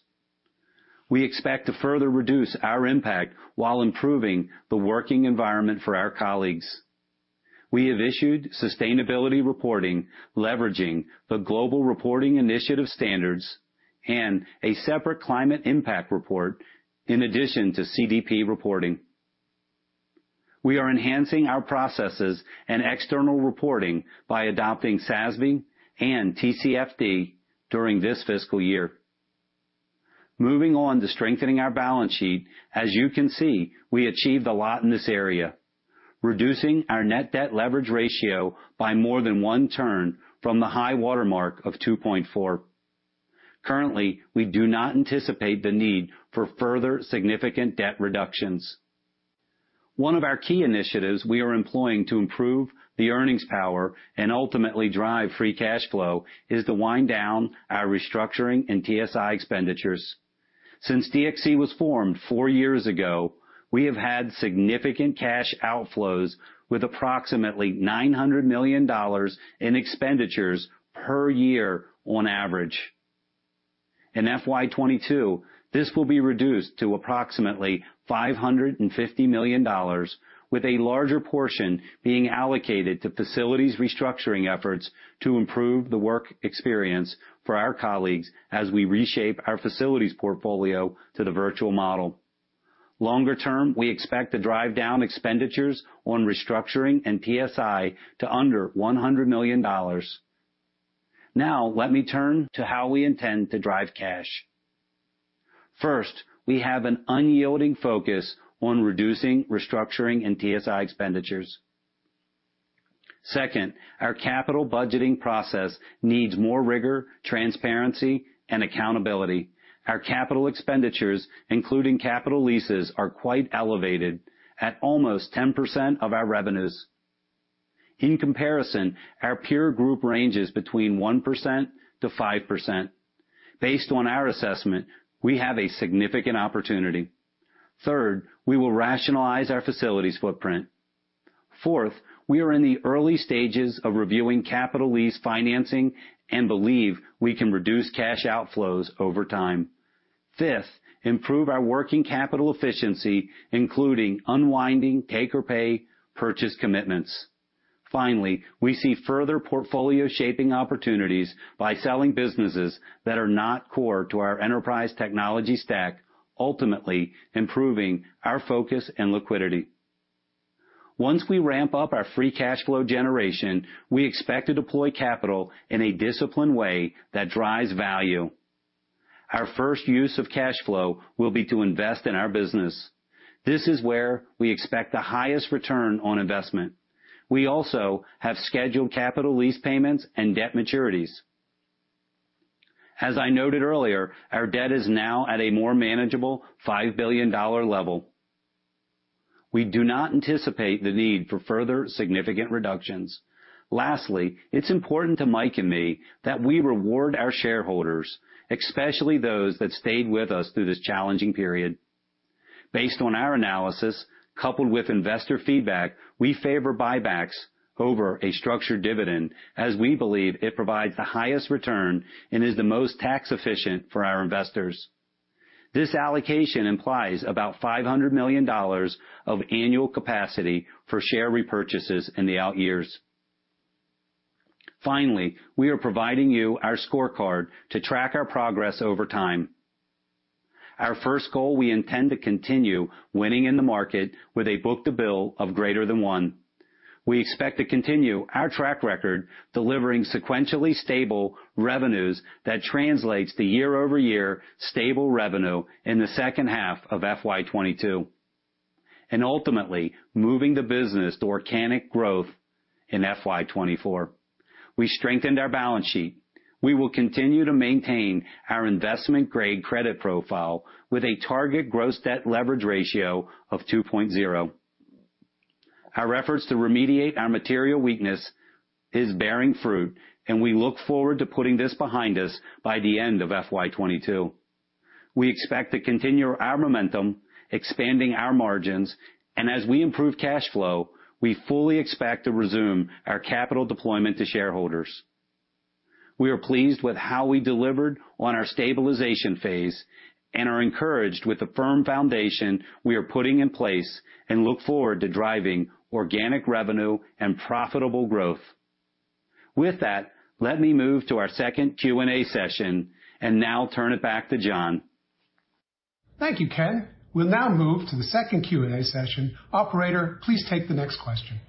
We expect to further reduce our impact while improving the working environment for our colleagues. We have issued sustainability reporting leveraging the Global Reporting Initiative standards and a separate climate impact report in addition to CDP reporting. We are enhancing our processes and external reporting by adopting SASB and TCFD during this fiscal year. Moving on to strengthening our balance sheet, as you can see, we achieved a lot in this area, reducing our net debt leverage ratio by more than one turn from the high watermark of 2.4. Currently, we do not anticipate the need for further significant debt reductions. One of our key initiatives we are employing to improve the earnings power and ultimately drive free cash flow is to wind down our restructuring and TSI expenditures. Since DXC was formed four years ago, we have had significant cash outflows with approximately $900 million in expenditures per year on average. In FY 2022, this will be reduced to approximately $550 million, with a larger portion being allocated to facilities restructuring efforts to improve the work experience for our colleagues as we reshape our facilities portfolio to the virtual model. Longer term, we expect to drive down expenditures on restructuring and TSI to under $100 million. Now, let me turn to how we intend to drive cash. First, we have an unyielding focus on reducing restructuring and TSI expenditures. Second, our capital budgeting process needs more rigor, transparency, and accountability. Our capital expenditures, including capital leases, are quite elevated at almost 10% of our revenues. In comparison, our peer group ranges between 1%-5%. Based on our assessment, we have a significant opportunity. Third, we will rationalize our facilities footprint. Fourth, we are in the early stages of reviewing capital lease financing and believe we can reduce cash outflows over time. Fifth, improve our working capital efficiency, including unwinding take-or-pay purchase commitments. Finally, we see further portfolio shaping opportunities by selling businesses that are not core to our enterprise technology stack, ultimately improving our focus and liquidity. Once we ramp up our free cash flow generation, we expect to deploy capital in a disciplined way that drives value. Our first use of cash flow will be to invest in our business. This is where we expect the highest return on investment. We also have scheduled capital lease payments and debt maturities. As I noted earlier, our debt is now at a more manageable $5 billion level. We do not anticipate the need for further significant reductions. Lastly, it's important to Mike and me that we reward our shareholders, especially those that stayed with us through this challenging period. Based on our analysis, coupled with investor feedback, we favor buybacks over a structured dividend, as we believe it provides the highest return and is the most tax efficient for our investors. This allocation implies about $500 million of annual capacity for share repurchases in the out years. Finally, we are providing you our scorecard to track our progress over time. Our first goal, we intend to continue winning in the market with a book-to-bill of greater than one. We expect to continue our track record, delivering sequentially stable revenues that translates to year-over-year stable revenue in the second half of FY 2022, and ultimately moving the business to organic growth in FY 2024. We strengthened our balance sheet. We will continue to maintain our investment-grade credit profile with a target gross debt leverage ratio of 2.0. Our efforts to remediate our material weakness are bearing fruit, and we look forward to putting this behind us by the end of FY 2022. We expect to continue our momentum, expanding our margins, and as we improve cash flow, we fully expect to resume our capital deployment to shareholders. We are pleased with how we delivered on our stabilization phase and are encouraged with the firm foundation we are putting in place and look forward to driving organic revenue and profitable growth. With that, let me move to our second Q&A session and now turn it back to John. Thank you, Ken. We'll now move to the second Q&A session. Operator, please take the next question.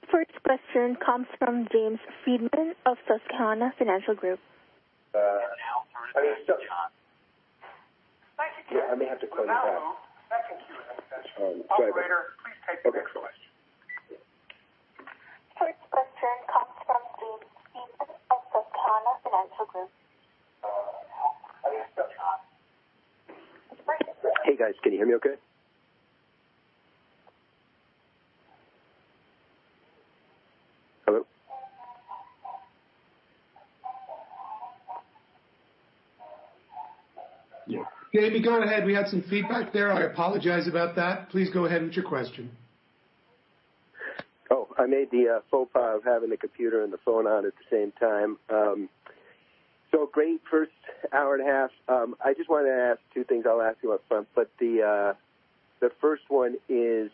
The first question comes from James Friedman of Susquehanna Financial Group. Yeah, I may have to close that. Operator, please take the next question. The first question comes from James Friedman of Susquehanna Financial Group. Hey, guys, can you hear me okay? Hello? Yeah. Gabe, you go ahead. We had some feedback there. I apologize about that. Please go ahead with your question. Oh, I made the faux pas of having the computer and the phone on at the same time. So great first hour and a half. I just wanted to ask two things. I'll ask you upfront, but the first one is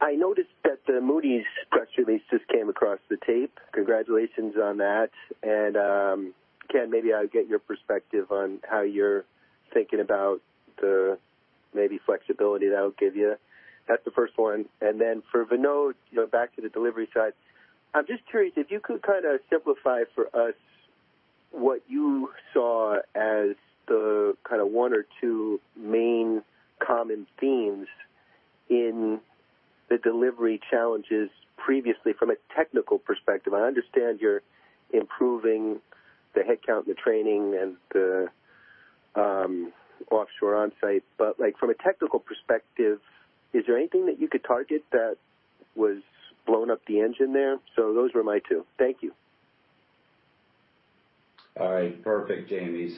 I noticed that the Moody's press release just came across the tape. Congratulations on that. And Ken, maybe I'll get your perspective on how you're thinking about the maybe flexibility that I'll give you. That's the first one. And then for Vinod, back to the delivery side, I'm just curious if you could kind of simplify for us what you saw as the kind of one or two main common themes in the delivery challenges previously from a technical perspective. I understand you're improving the headcount and the training and the offshore onsite, but from a technical perspective, is there anything that you could target that was blowing up the engine there? So those were my two. Thank you. All right. Perfect, Jamie.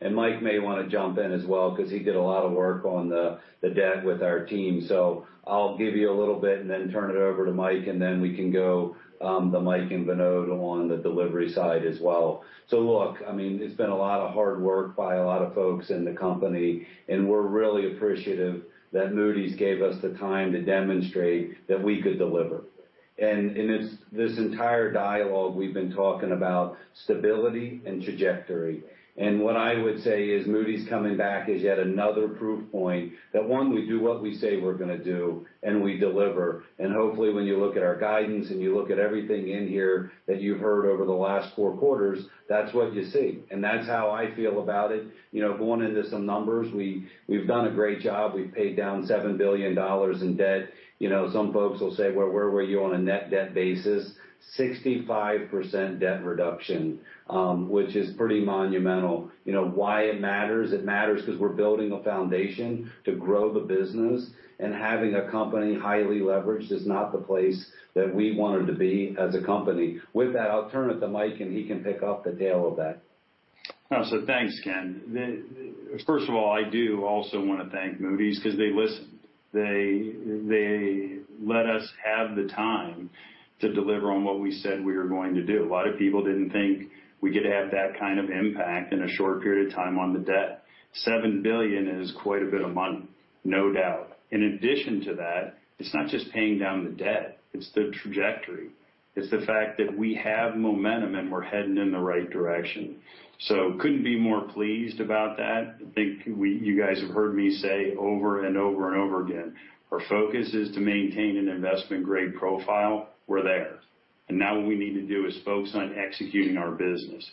And Mike may want to jump in as well because he did a lot of work on the debt with our team. So I'll give you a little bit and then turn it over to Mike, and then we can go to Mike and Vinod on the delivery side as well. So look, I mean, it's been a lot of hard work by a lot of folks in the company, and we're really appreciative that Moody's gave us the time to demonstrate that we could deliver. And in this entire dialogue, we've been talking about stability and trajectory. And what I would say is Moody's coming back as yet another proof point that, one, we do what we say we're going to do, and we deliver. And hopefully, when you look at our guidance and you look at everything in here that you've heard over the last four quarters, that's what you see. And that's how I feel about it. Going into some numbers, we've done a great job. We've paid down $7 billion in debt. Some folks will say, "Where were you on a net debt basis?" 65% debt reduction, which is pretty monumental. Why it matters? It matters because we're building a foundation to grow the business, and having a company highly leveraged is not the place that we wanted to be as a company. With that, I'll turn it to Mike, and he can pick up the tail of that. So thanks, Ken. First of all, I do also want to thank Moody's because they listened. They let us have the time to deliver on what we said we were going to do. A lot of people didn't think we could have that kind of impact in a short period of time on the debt. $7 billion is quite a bit of money, no doubt. In addition to that, it's not just paying down the debt. It's the trajectory. It's the fact that we have momentum and we're heading in the right direction. So couldn't be more pleased about that. I think you guys have heard me say over and over and over again, our focus is to maintain an investment-grade profile. We're there, and now what we need to do is focus on executing our business,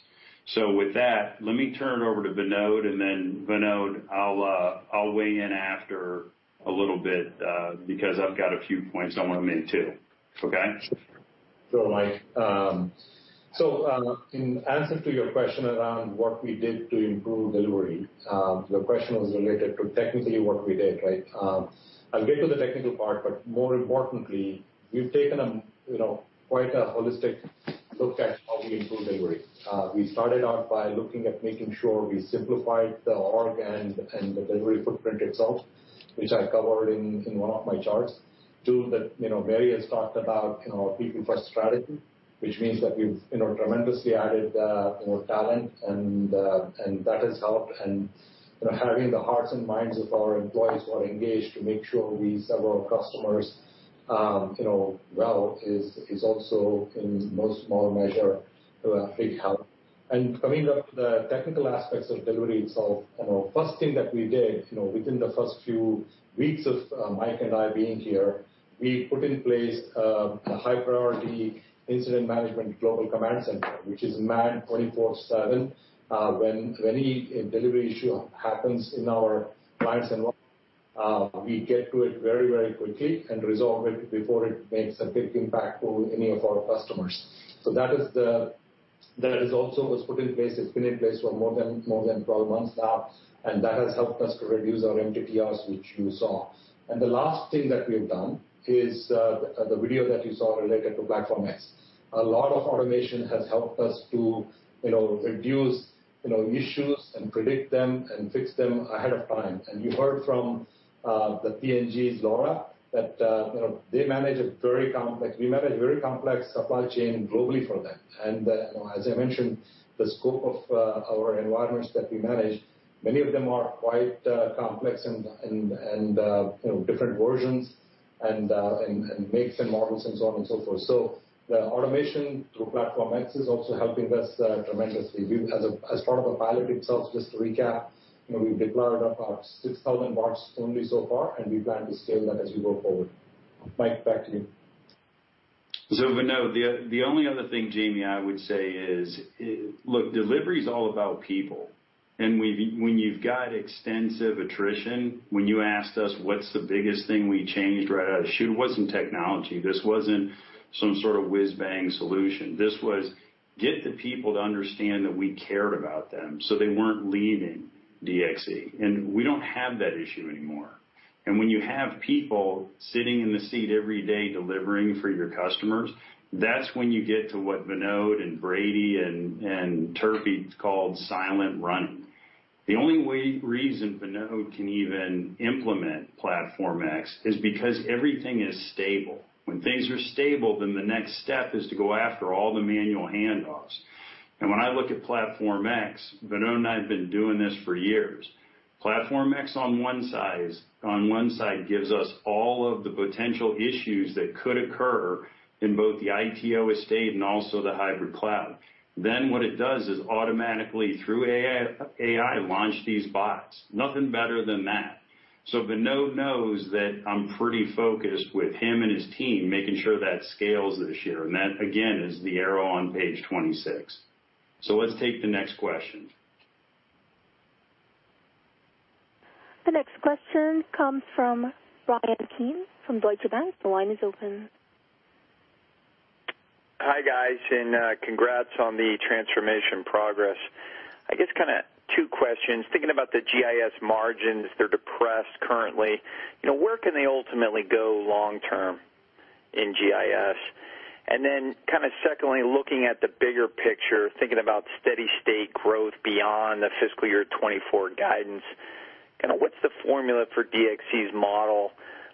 so with that, let me turn it over to Vinod, and then Vinod, I'll weigh in after a little bit because I've got a few points I want to make too. Okay? Sure, Mike, so in answer to your question around what we did to improve delivery, the question was related to technically what we did, right? I'll get to the technical part, but more importantly, we've taken quite a holistic look at how we improve delivery. We started out by looking at making sure we simplified the org and the delivery footprint itself, which I covered in one of my charts. Two that Mary has talked about, our people-first strategy, which means that we've tremendously added talent, and that has helped. Having the hearts and minds of our employees who are engaged to make sure we serve our customers well is also, in no small measure, a big help. Coming up to the technical aspects of delivery itself, the first thing that we did within the first few weeks of Mike and I being here, we put in place a high-priority incident management global command center, which is manned 24/7. When any delivery issue happens in our clients' environment, we get to it very, very quickly and resolve it before it makes a big impact on any of our customers. That is also what's put in place. It's been in place for more than 12 months now, and that has helped us to reduce our MTTRs, which you saw, and the last thing that we have done is the video that you saw related to PlatformX. A lot of automation has helped us to reduce issues and predict them and fix them ahead of time, and you heard from the P&G's Laura that they manage a very complex, we manage a very complex supply chain globally for them, and as I mentioned, the scope of our environments that we manage, many of them are quite complex and different versions and makes and models and so on and so forth, so the automation through PlatformX is also helping us tremendously. As part of the pilot itself, just to recap, we've deployed about 6,000 bots only so far, and we plan to scale that as we go forward. Mike, back to you, so Vinod, the only other thing, Jamie, I would say is, look, delivery is all about people. When you've got extensive attrition, when you asked us what's the biggest thing we changed right out of the shoot, it wasn't technology. This wasn't some sort of whiz-bang solution. This was, "Get the people to understand that we cared about them so they weren't leaving DXC." We don't have that issue anymore. When you have people sitting in the seat every day delivering for your customers, that's when you get to what Vinod and Brady and Turpie called silent running. The only reason Vinod can even implement Platform X is because everything is stable. When things are stable, then the next step is to go after all the manual handoffs. And when I look at PlatformX, Vinod and I have been doing this for years. PlatformX on one side gives us all of the potential issues that could occur in both the ITO estate and also the hybrid cloud. Then what it does is automatically, through AI, launch these bots. Nothing better than that. So Vinod knows that I'm pretty focused with him and his team making sure that scales this year. And that, again, is the arrow on page 26. So let's take the next question. The next question comes from Brian Keane from Deutsche Bank. The line is open. Hi, guys, and congrats on the transformation progress. I guess kind of two questions. Thinking about the GIS margins, they're depressed currently. Where can they ultimately go long-term in GIS? And then kind of secondly, looking at the bigger picture, thinking about steady-state growth beyond the fiscal year 2024 guidance, kind of what's the formula for DXC's model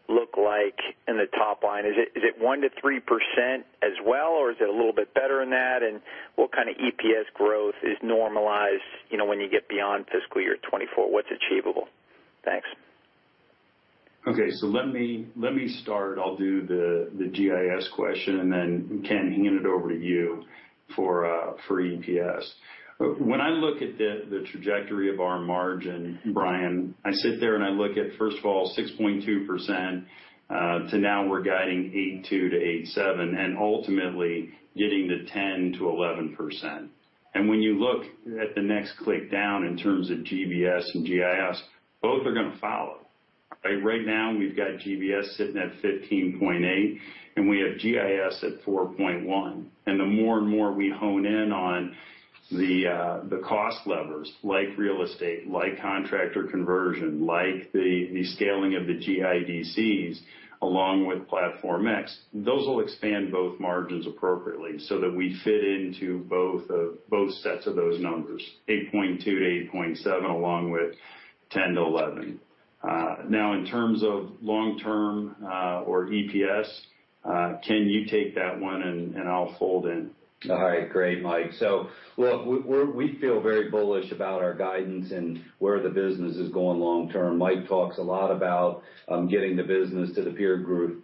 look like in the top line? Is it 1%-3% as well, or is it a little bit better than that? And what kind of EPS growth is normalized when you get beyond fiscal year 2024? What's achievable? Thanks. Okay. So let me start. I'll do the GIS question, and then Ken, hand it over to you for EPS. When I look at the trajectory of our margin, Brian, I sit there and I look at, first of all, 6.2% to now we're guiding 8.2%-8.7% and ultimately getting to 10%-11%. And when you look at the next click down in terms of GBS and GIS, both are going to follow. Right now, we've got GBS sitting at 15.8%, and we have GIS at 4.1%. The more and more we hone in on the cost levers, like real estate, like contractor conversion, like the scaling of the GIDCs along with Platform X, those will expand both margins appropriately so that we fit into both sets of those numbers, 8.2%-8.7% along with 10%-11%. Now, in terms of long-term EPS, Ken, you take that one, and I'll fold in. All right. Great, Mike, so look, we feel very bullish about our guidance and where the business is going long-term. Mike talks a lot about getting the business to the peer group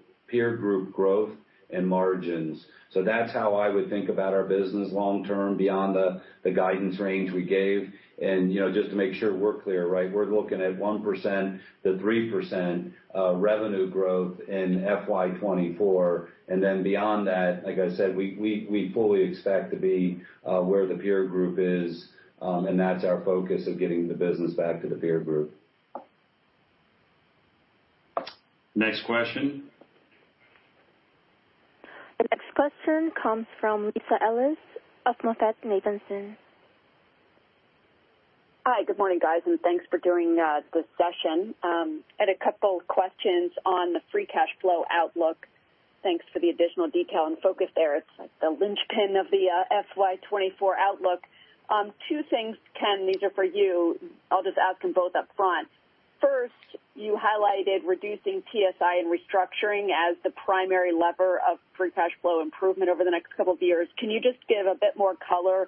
growth and margins, so that's how I would think about our business long-term beyond the guidance range we gave. Just to make sure we're clear, right? We're looking at 1%-3% revenue growth in FY 2024. Then beyond that, like I said, we fully expect to be where the peer group is, and that's our focus of getting the business back to the peer group. Next question. The next question comes from Lisa Ellis of MoffettNathanson. Hi, good morning, guys, and thanks for doing the session. I had a couple of questions on the free cash flow outlook. Thanks for the additional detail and focus there. It's like the linchpin of the FY 2024 outlook. Two things, Ken, these are for you. I'll just ask them both upfront. First, you highlighted reducing TSI and restructuring as the primary lever of free cash flow improvement over the next couple of years. Can you just give a bit more color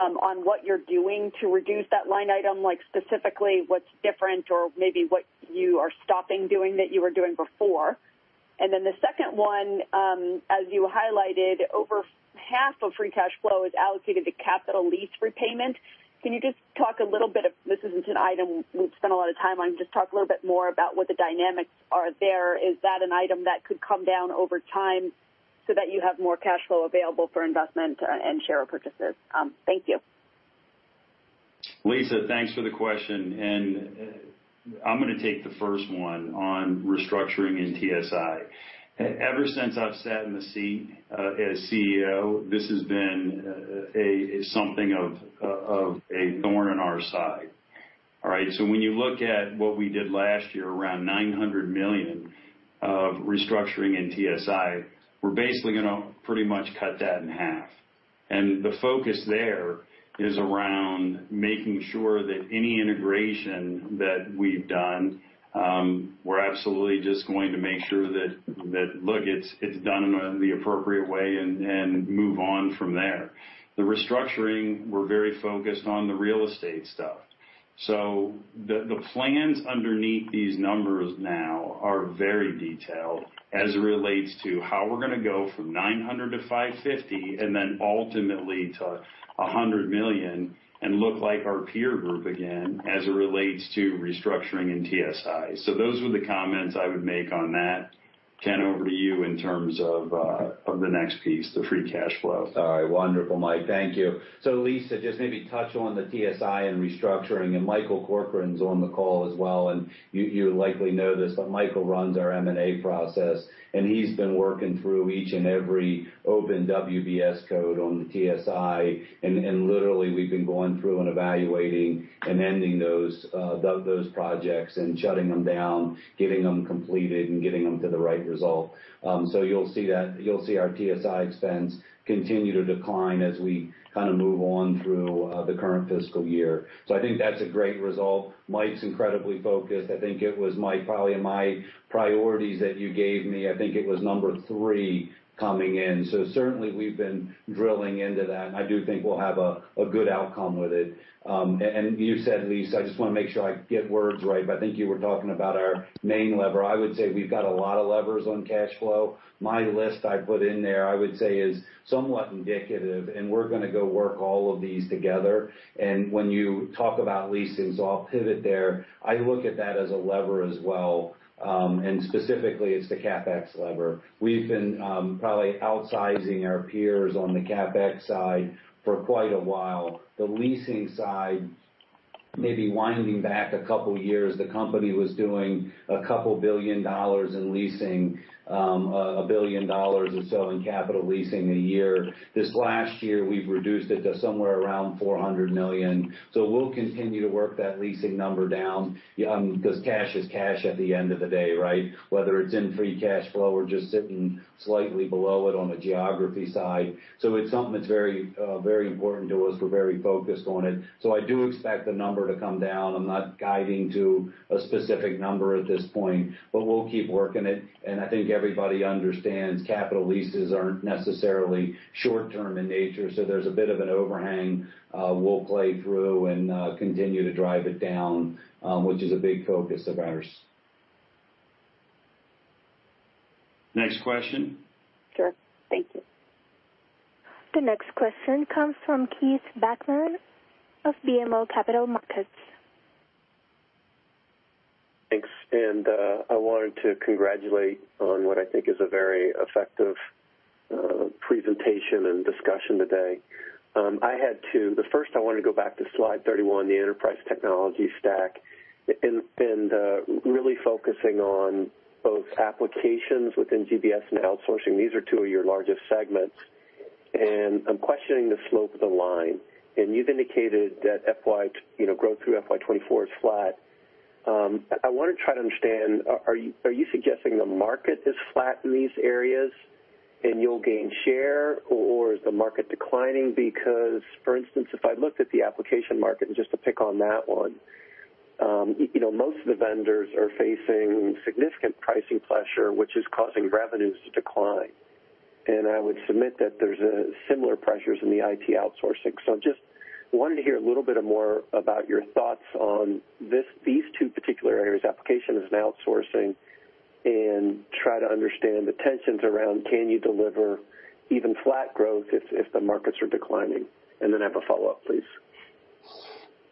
on what you're doing to reduce that line item, like specifically what's different or maybe what you are stopping doing that you were doing before? And then the second one, as you highlighted, over half of free cash flow is allocated to capital lease repayment. Can you just talk a little bit of, this isn't an item we've spent a lot of time on, just talk a little bit more about what the dynamics are there. Is that an item that could come down over time so that you have more cash flow available for investment and share purchases? Thank you. Lisa, thanks for the question. And I'm going to take the first one on restructuring and TSI. Ever since I've sat in the seat as CEO, this has been something of a thorn in our side. All right? So when you look at what we did last year, around $900 million of restructuring and TSI, we're basically going to pretty much cut that in half. And the focus there is around making sure that any integration that we've done, we're absolutely just going to make sure that, look, it's done in the appropriate way and move on from there. The restructuring, we're very focused on the real estate stuff. So the plans underneath these numbers now are very detailed as it relates to how we're going to go from $900 million-$550 million and then ultimately to $100 million and look like our peer group again as it relates to restructuring and TSI. So those were the comments I would make on that. Ken, over to you in terms of the next piece, the free cash flow. All right. Wonderful, Mike. Thank you. So, Lisa, just maybe touch on the TSI and restructuring. And Michael Corcoran's on the call as well. And you likely know this, but Michael runs our M&A process, and he's been working through each and every open WBS code on the TSI. And literally, we've been going through and evaluating and ending those projects and shutting them down, getting them completed, and getting them to the right result. So you'll see our TSI expense continue to decline as we kind of move on through the current fiscal year. So I think that's a great result. Mike's incredibly focused. I think it was, Mike, probably in my priorities that you gave me. I think it was number three coming in. So certainly, we've been drilling into that. And I do think we'll have a good outcome with it. You said, Lisa, I just want to make sure I get words right, but I think you were talking about our main lever. I would say we've got a lot of levers on cash flow. My list I put in there, I would say, is somewhat indicative, and we're going to go work all of these together. When you talk about leasing, so I'll pivot there. I look at that as a lever as well. Specifically, it's the CapEx lever. We've been probably outsizing our peers on the CapEx side for quite a while. The leasing side, maybe winding back a couple of years, the company was doing $2 billion in leasing, $1 billion or so in capital leasing a year. This last year, we've reduced it to somewhere around $400 million. So we'll continue to work that leasing number down because cash is cash at the end of the day, right? Whether it's in free cash flow or just sitting slightly below it on a geography side. So it's something that's very important to us. We're very focused on it. So I do expect the number to come down. I'm not guiding to a specific number at this point, but we'll keep working it. And I think everybody understands capital leases aren't necessarily short-term in nature. So there's a bit of an overhang we'll play through and continue to drive it down, which is a big focus of ours. Next question. Sure. Thank you. The next question comes from Keith Bachman of BMO Capital Markets. Thanks. And I wanted to congratulate on what I think is a very effective presentation and discussion today. I had to, the first, I wanted to go back to slide 31, the Enterprise Technology Stack, and really focusing on both applications within GBS and outsourcing. These are two of your largest segments. And I'm questioning the slope of the line. And you've indicated that growth through FY 2024 is flat. I want to try to understand, are you suggesting the market is flat in these areas and you'll gain share, or is the market declining? Because, for instance, if I looked at the application market, and just to pick on that one, most of the vendors are facing significant pricing pressure, which is causing revenues to decline. And I would submit that there's similar pressures in the IT outsourcing. So I just wanted to hear a little bit more about your thoughts on these two particular areas: applications and outsourcing, and try to understand the tensions around, can you deliver even flat growth if the markets are declining? And then I have a follow-up, please.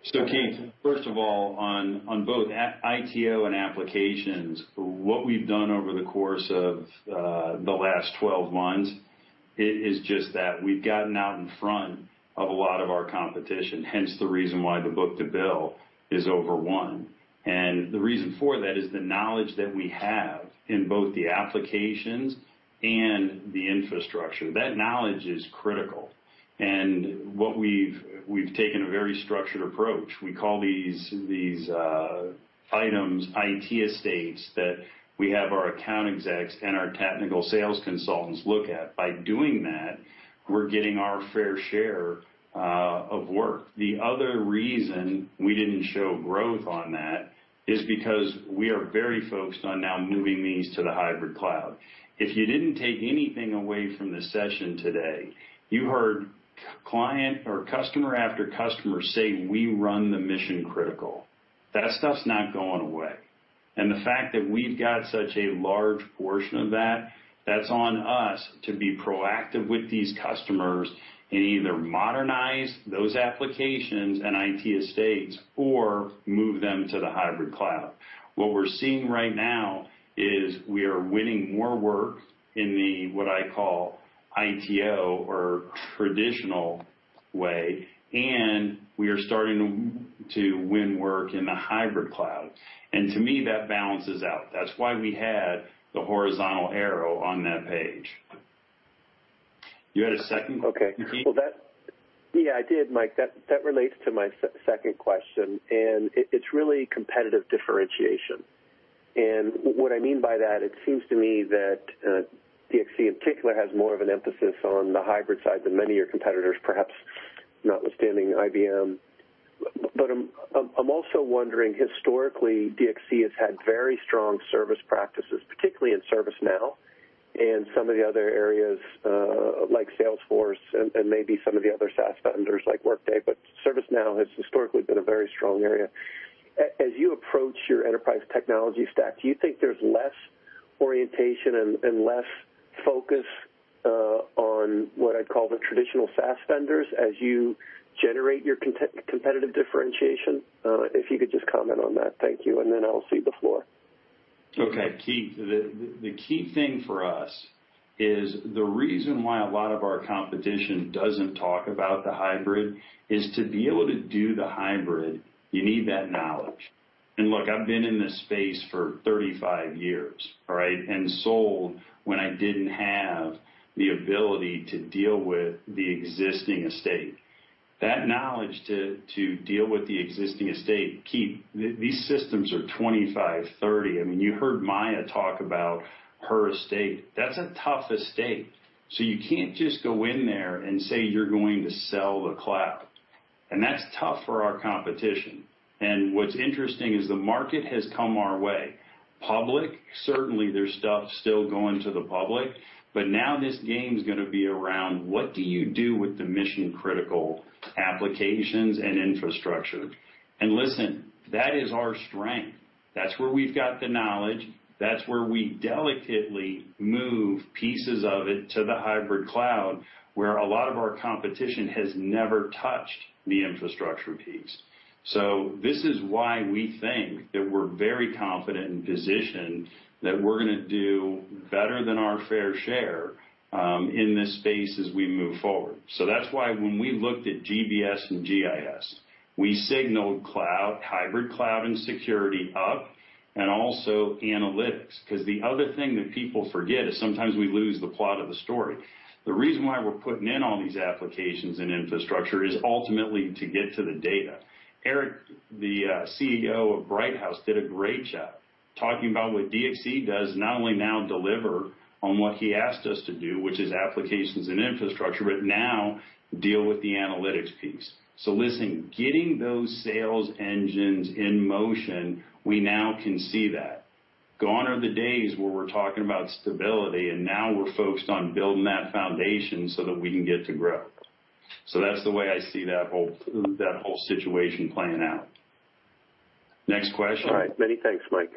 So Keith, first of all, on both ITO and applications, what we've done over the course of the last 12 months is just that we've gotten out in front of a lot of our competition, hence the reason why the book-to-bill is over one. And the reason for that is the knowledge that we have in both the applications and the infrastructure. That knowledge is critical. And we've taken a very structured approach. We call these items IT estates that we have our account execs and our technical sales consultants look at. By doing that, we're getting our fair share of work. The other reason we didn't show growth on that is because we are very focused on now moving these to the hybrid cloud. If you didn't take anything away from the session today, you heard client or customer after customer say, "We run the mission critical." That stuff's not going away. And the fact that we've got such a large portion of that, that's on us to be proactive with these customers and either modernize those applications and IT estates or move them to the hybrid cloud. What we're seeing right now is we are winning more work in the what I call ITO or traditional way, and we are starting to win work in the hybrid cloud. And to me, that balances out. That's why we had the horizontal arrow on that page. You had a second? Okay. Yeah, I did, Mike. That relates to my second question. And it's really competitive differentiation. And what I mean by that, it seems to me that DXC in particular has more of an emphasis on the hybrid side than many of your competitors, perhaps notwithstanding IBM. But I'm also wondering, historically, DXC has had very strong service practices, particularly in ServiceNow and some of the other areas like Salesforce and maybe some of the other SaaS vendors like Workday. But ServiceNow has historically been a very strong area. As you approach your enterprise technology stack, do you think there's less orientation and less focus on what I'd call the traditional SaaS vendors as you generate your competitive differentiation? If you could just comment on that. Thank you. And then I'll cede the floor. Okay. Keith, the key thing for us is the reason why a lot of our competition doesn't talk about the hybrid is to be able to do the hybrid. You need that knowledge. And look, I've been in this space for 35 years, right, and sold when I didn't have the ability to deal with the existing estate. That knowledge to deal with the existing estate, Keith, these systems are 25, 30. I mean, you heard Maya talk about her estate. That's a tough estate. So you can't just go in there and say you're going to sell the cloud. And that's tough for our competition. And what's interesting is the market has come our way. Public, certainly, there's stuff still going to the public. But now this game is going to be around, what do you do with the mission-critical applications and infrastructure? And listen, that is our strength. That's where we've got the knowledge. That's where we delicately move pieces of it to the hybrid cloud where a lot of our competition has never touched the infrastructure piece. So this is why we think that we're very confident and positioned that we're going to do better than our fair share in this space as we move forward. So that's why when we looked at GBS and GIS, we signaled cloud, hybrid cloud, and security up, and also analytics. Because the other thing that people forget is sometimes we lose the plot of the story. The reason why we're putting in all these applications and infrastructure is ultimately to get to the data. Eric, the CEO of Brighthouse, did a great job talking about what DXC does, not only now deliver on what he asked us to do, which is applications and infrastructure, but now deal with the analytics piece. Listen, getting those sales engines in motion, we now can see that. Gone are the days where we're talking about stability, and now we're focused on building that foundation so that we can get to grow. That's the way I see that whole situation playing out. Next question. All right. Many thanks, Mike.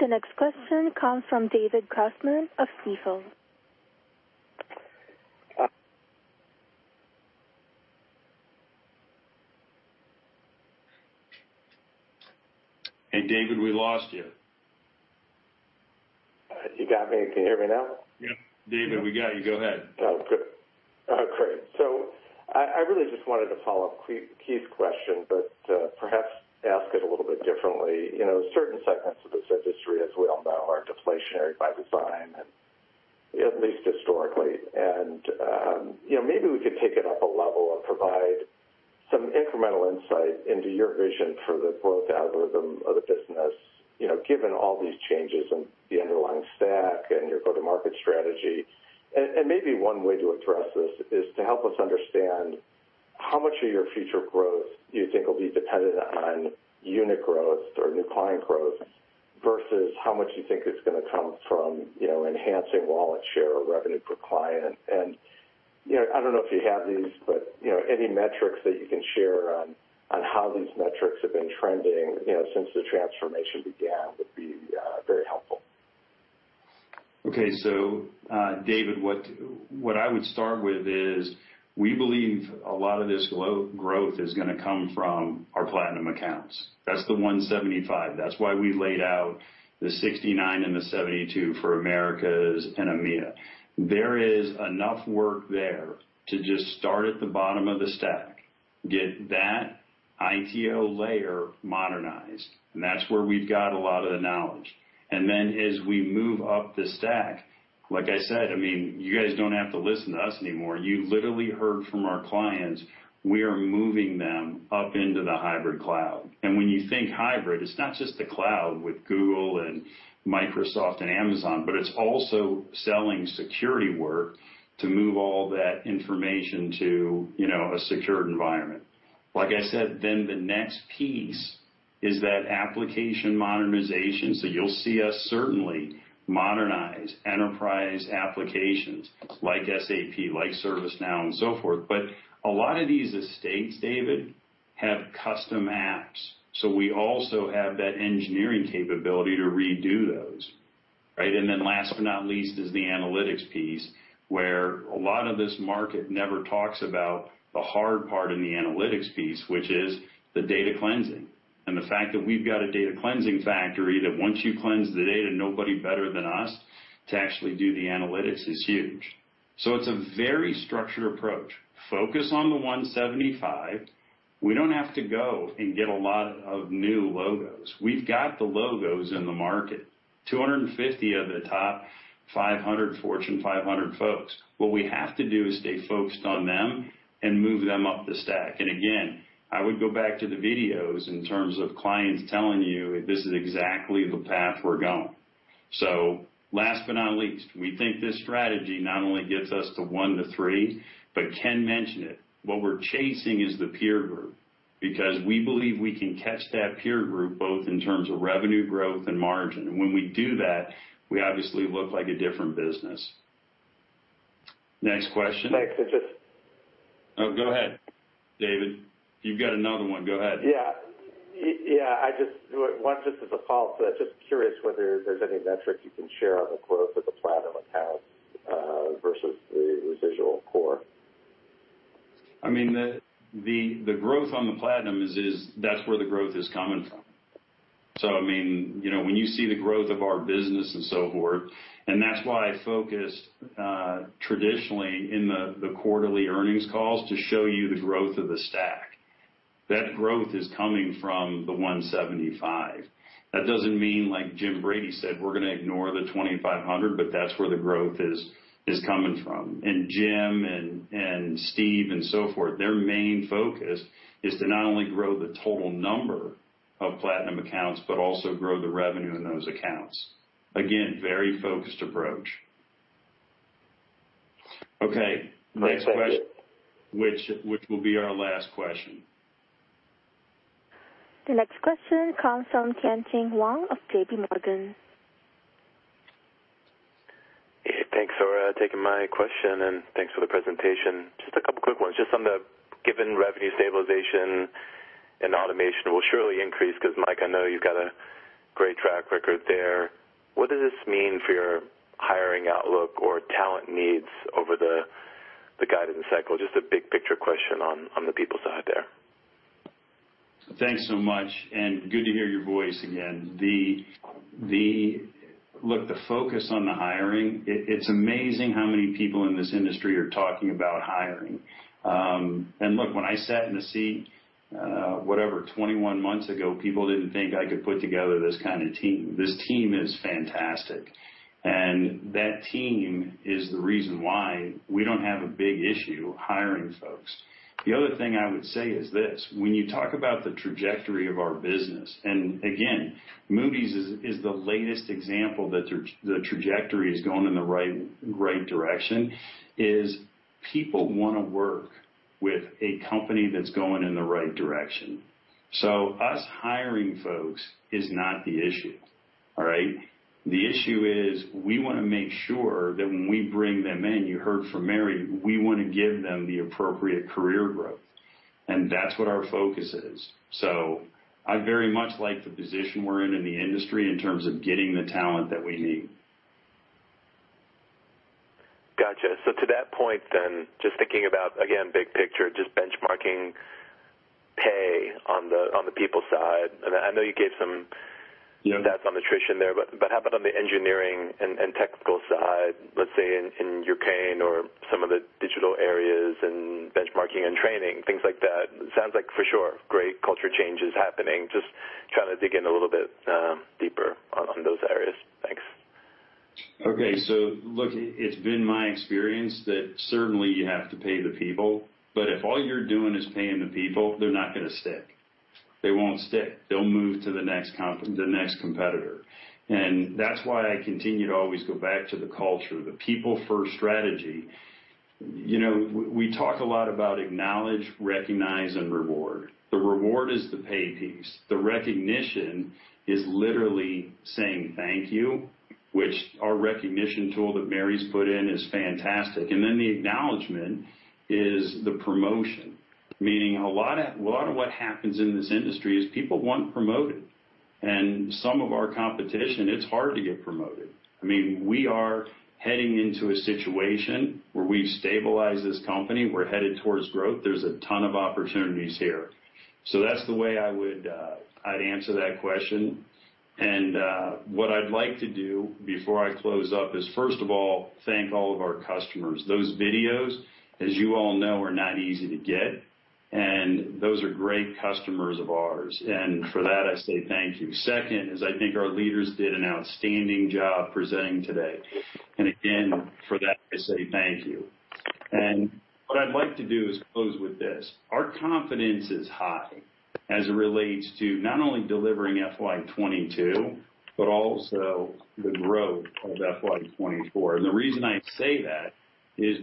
The next question comes from David Grossman of Stifel. Hey, David, we lost you. You got me? Can you hear me now? Yep. David, we got you. Go ahead. Oh, great. So I really just wanted to follow up Keith's question, but perhaps ask it a little bit differently. Certain segments of this industry, as we all know, are deflationary by design, at least historically. And maybe we could take it up a level and provide some incremental insight into your vision for the growth algorithm of the business, given all these changes in the underlying stack and your go-to-market strategy. And maybe one way to address this is to help us understand how much of your future growth you think will be dependent on unit growth or new client growth versus how much you think it's going to come from enhancing wallet share or revenue per client. And I don't know if you have these, but any metrics that you can share on how these metrics have been trending since the transformation began would be very helpful. Okay. So, David, what I would start with is we believe a lot of this growth is going to come from our platinum accounts. That's the 175. That's why we laid out the 69 and the 72 for Americas and EMEA. There is enough work there to just start at the bottom of the stack, get that ITO layer modernized. And that's where we've got a lot of the knowledge. And then as we move up the stack, like I said, I mean, you guys don't have to listen to us anymore. You literally heard from our clients. We are moving them up into the hybrid cloud. And when you think hybrid, it's not just the cloud with Google and Microsoft and Amazon, but it's also selling security work to move all that information to a secured environment. Like I said, then the next piece is that application modernization. So you'll see us certainly modernize enterprise applications like SAP, like ServiceNow, and so forth. But a lot of these estates, David, have custom apps. So we also have that engineering capability to redo those, right? And then last but not least is the analytics piece where a lot of this market never talks about the hard part in the analytics piece, which is the data cleansing. And the fact that we've got a data cleansing factory that once you cleanse the data, nobody better than us to actually do the analytics is huge. So it's a very structured approach. Focus on the 175. We don't have to go and get a lot of new logos. We've got the logos in the market, 250 of the top 500 Fortune 500 folks. What we have to do is stay focused on them and move them up the stack. And again, I would go back to the videos in terms of clients telling you, "This is exactly the path we're going." So last but not least, we think this strategy not only gets us to one to three, but Ken mentioned it. What we're chasing is the peer group because we believe we can catch that peer group both in terms of revenue growth and margin. And when we do that, we obviously look like a different business. Next question. Thanks. Oh, go ahead, David. You've got another one. Go ahead. Yeah. Yeah. I just wanted to follow up. Just curious whether there's any metric you can share on the growth of the platinum account versus the residual core. I mean, the growth on the platinum is, that's where the growth is coming from. So I mean, when you see the growth of our business and so forth, and that's why I focused traditionally in the quarterly earnings calls to show you the growth of the stack. That growth is coming from the 175. That doesn't mean, like Jim Brady said, we're going to ignore the 2,500, but that's where the growth is coming from. And Jim and Steve and so forth, their main focus is to not only grow the total number of platinum accounts, but also grow the revenue in those accounts. Again, very focused approach. Okay. Next question, which will be our last question. The next question comes from Tien-tsin Huang of JPMorgan. Thanks for taking my question, and thanks for the presentation. Just a couple of quick ones. Just on the given revenue stabilization and automation will surely increase because Mike, I know you've got a great track record there. What does this mean for your hiring outlook or talent needs over the guidance cycle? Just a big picture question on the people side there. Thanks so much. And good to hear your voice again. Look, the focus on the hiring. It's amazing how many people in this industry are talking about hiring. And look, when I sat in the seat, whatever, 21 months ago, people didn't think I could put together this kind of team. This team is fantastic. And that team is the reason why we don't have a big issue hiring folks. The other thing I would say is this. When you talk about the trajectory of our business, and again, Moody's is the latest example that the trajectory is going in the right direction, is people want to work with a company that's going in the right direction. So, us hiring folks is not the issue, all right? The issue is we want to make sure that when we bring them in, you heard from Mary, we want to give them the appropriate career growth. And that's what our focus is. So, I very much like the position we're in in the industry in terms of getting the talent that we need. Gotcha. So, to that point then, just thinking about, again, big picture, just benchmarking pay on the people side. I know you gave some stats on attrition there, but how about on the engineering and technical side, let's say in your chain or some of the digital areas and benchmarking and training, things like that? Sounds like for sure great culture change is happening. Just trying to dig in a little bit deeper on those areas. Thanks. Okay. So look, it's been my experience that certainly you have to pay the people, but if all you're doing is paying the people, they're not going to stick. They won't stick. They'll move to the next competitor. And that's why I continue to always go back to the culture, the people-first strategy. We talk a lot about acknowledge, recognize, and reward. The reward is the pay piece. The recognition is literally saying thank you, which our recognition tool that Mary's put in is fantastic. And then the acknowledgment is the promotion. Meaning a lot of what happens in this industry is people want promoted. And some of our competition, it's hard to get promoted. I mean, we are heading into a situation where we've stabilized this company. We're headed towards growth. There's a ton of opportunities here. So that's the way I would answer that question. What I'd like to do before I close up is, first of all, thank all of our customers. Those videos, as you all know, are not easy to get. And those are great customers of ours. And for that, I say thank you. Second is I think our leaders did an outstanding job presenting today. And again, for that, I say thank you. And what I'd like to do is close with this. Our confidence is high as it relates to not only delivering FY22, but also the growth of FY24. And the reason I say that is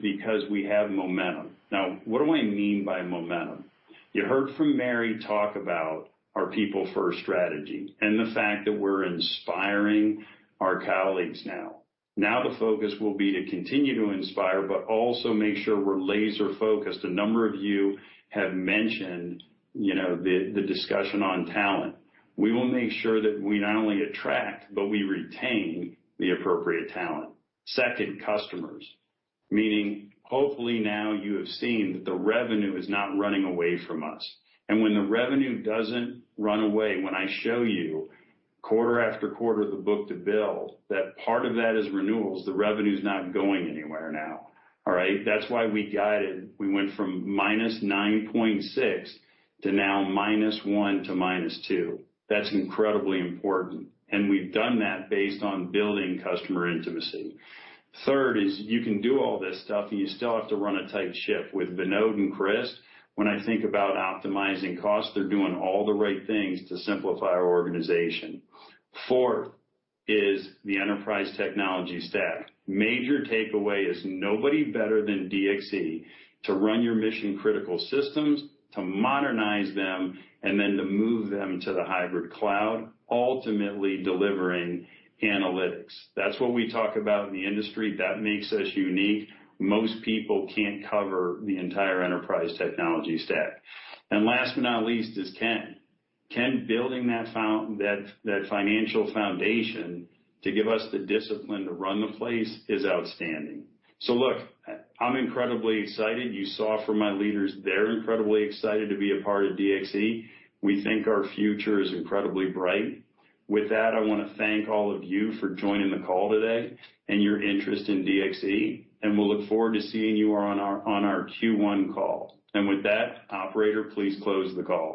because we have momentum. Now, what do I mean by momentum? You heard from Mary talk about our people-first strategy and the fact that we're inspiring our colleagues now. Now the focus will be to continue to inspire, but also make sure we're laser-focused. A number of you have mentioned the discussion on talent. We will make sure that we not only attract, but we retain the appropriate talent. Second, customers. Meaning hopefully now you have seen that the revenue is not running away from us. And when the revenue doesn't run away, when I show you quarter after quarter the book-to-bill, that part of that is renewals, the revenue is not going anywhere now, all right? That's why we guided. We went from minus 9.6 to now minus 1 to minus 2. That's incredibly important, and we've done that based on building customer intimacy. Third is you can do all this stuff and you still have to run a tight ship. With Vinod and Chris, when I think about optimizing costs, they're doing all the right things to simplify our organization. Fourth is the Enterprise Technology Stack. Major takeaway is nobody better than DXC to run your mission-critical systems, to modernize them, and then to move them to the hybrid cloud, ultimately delivering analytics. That's what we talk about in the industry. That makes us unique. Most people can't cover the entire enterprise technology stack. And last but not least is Ken. Ken, building that financial foundation to give us the discipline to run the place is outstanding. So look, I'm incredibly excited. You saw from my leaders, they're incredibly excited to be a part of DXC. We think our future is incredibly bright. With that, I want to thank all of you for joining the call today and your interest in DXC. And we'll look forward to seeing you on our Q1 call. And with that, operator, please close the call.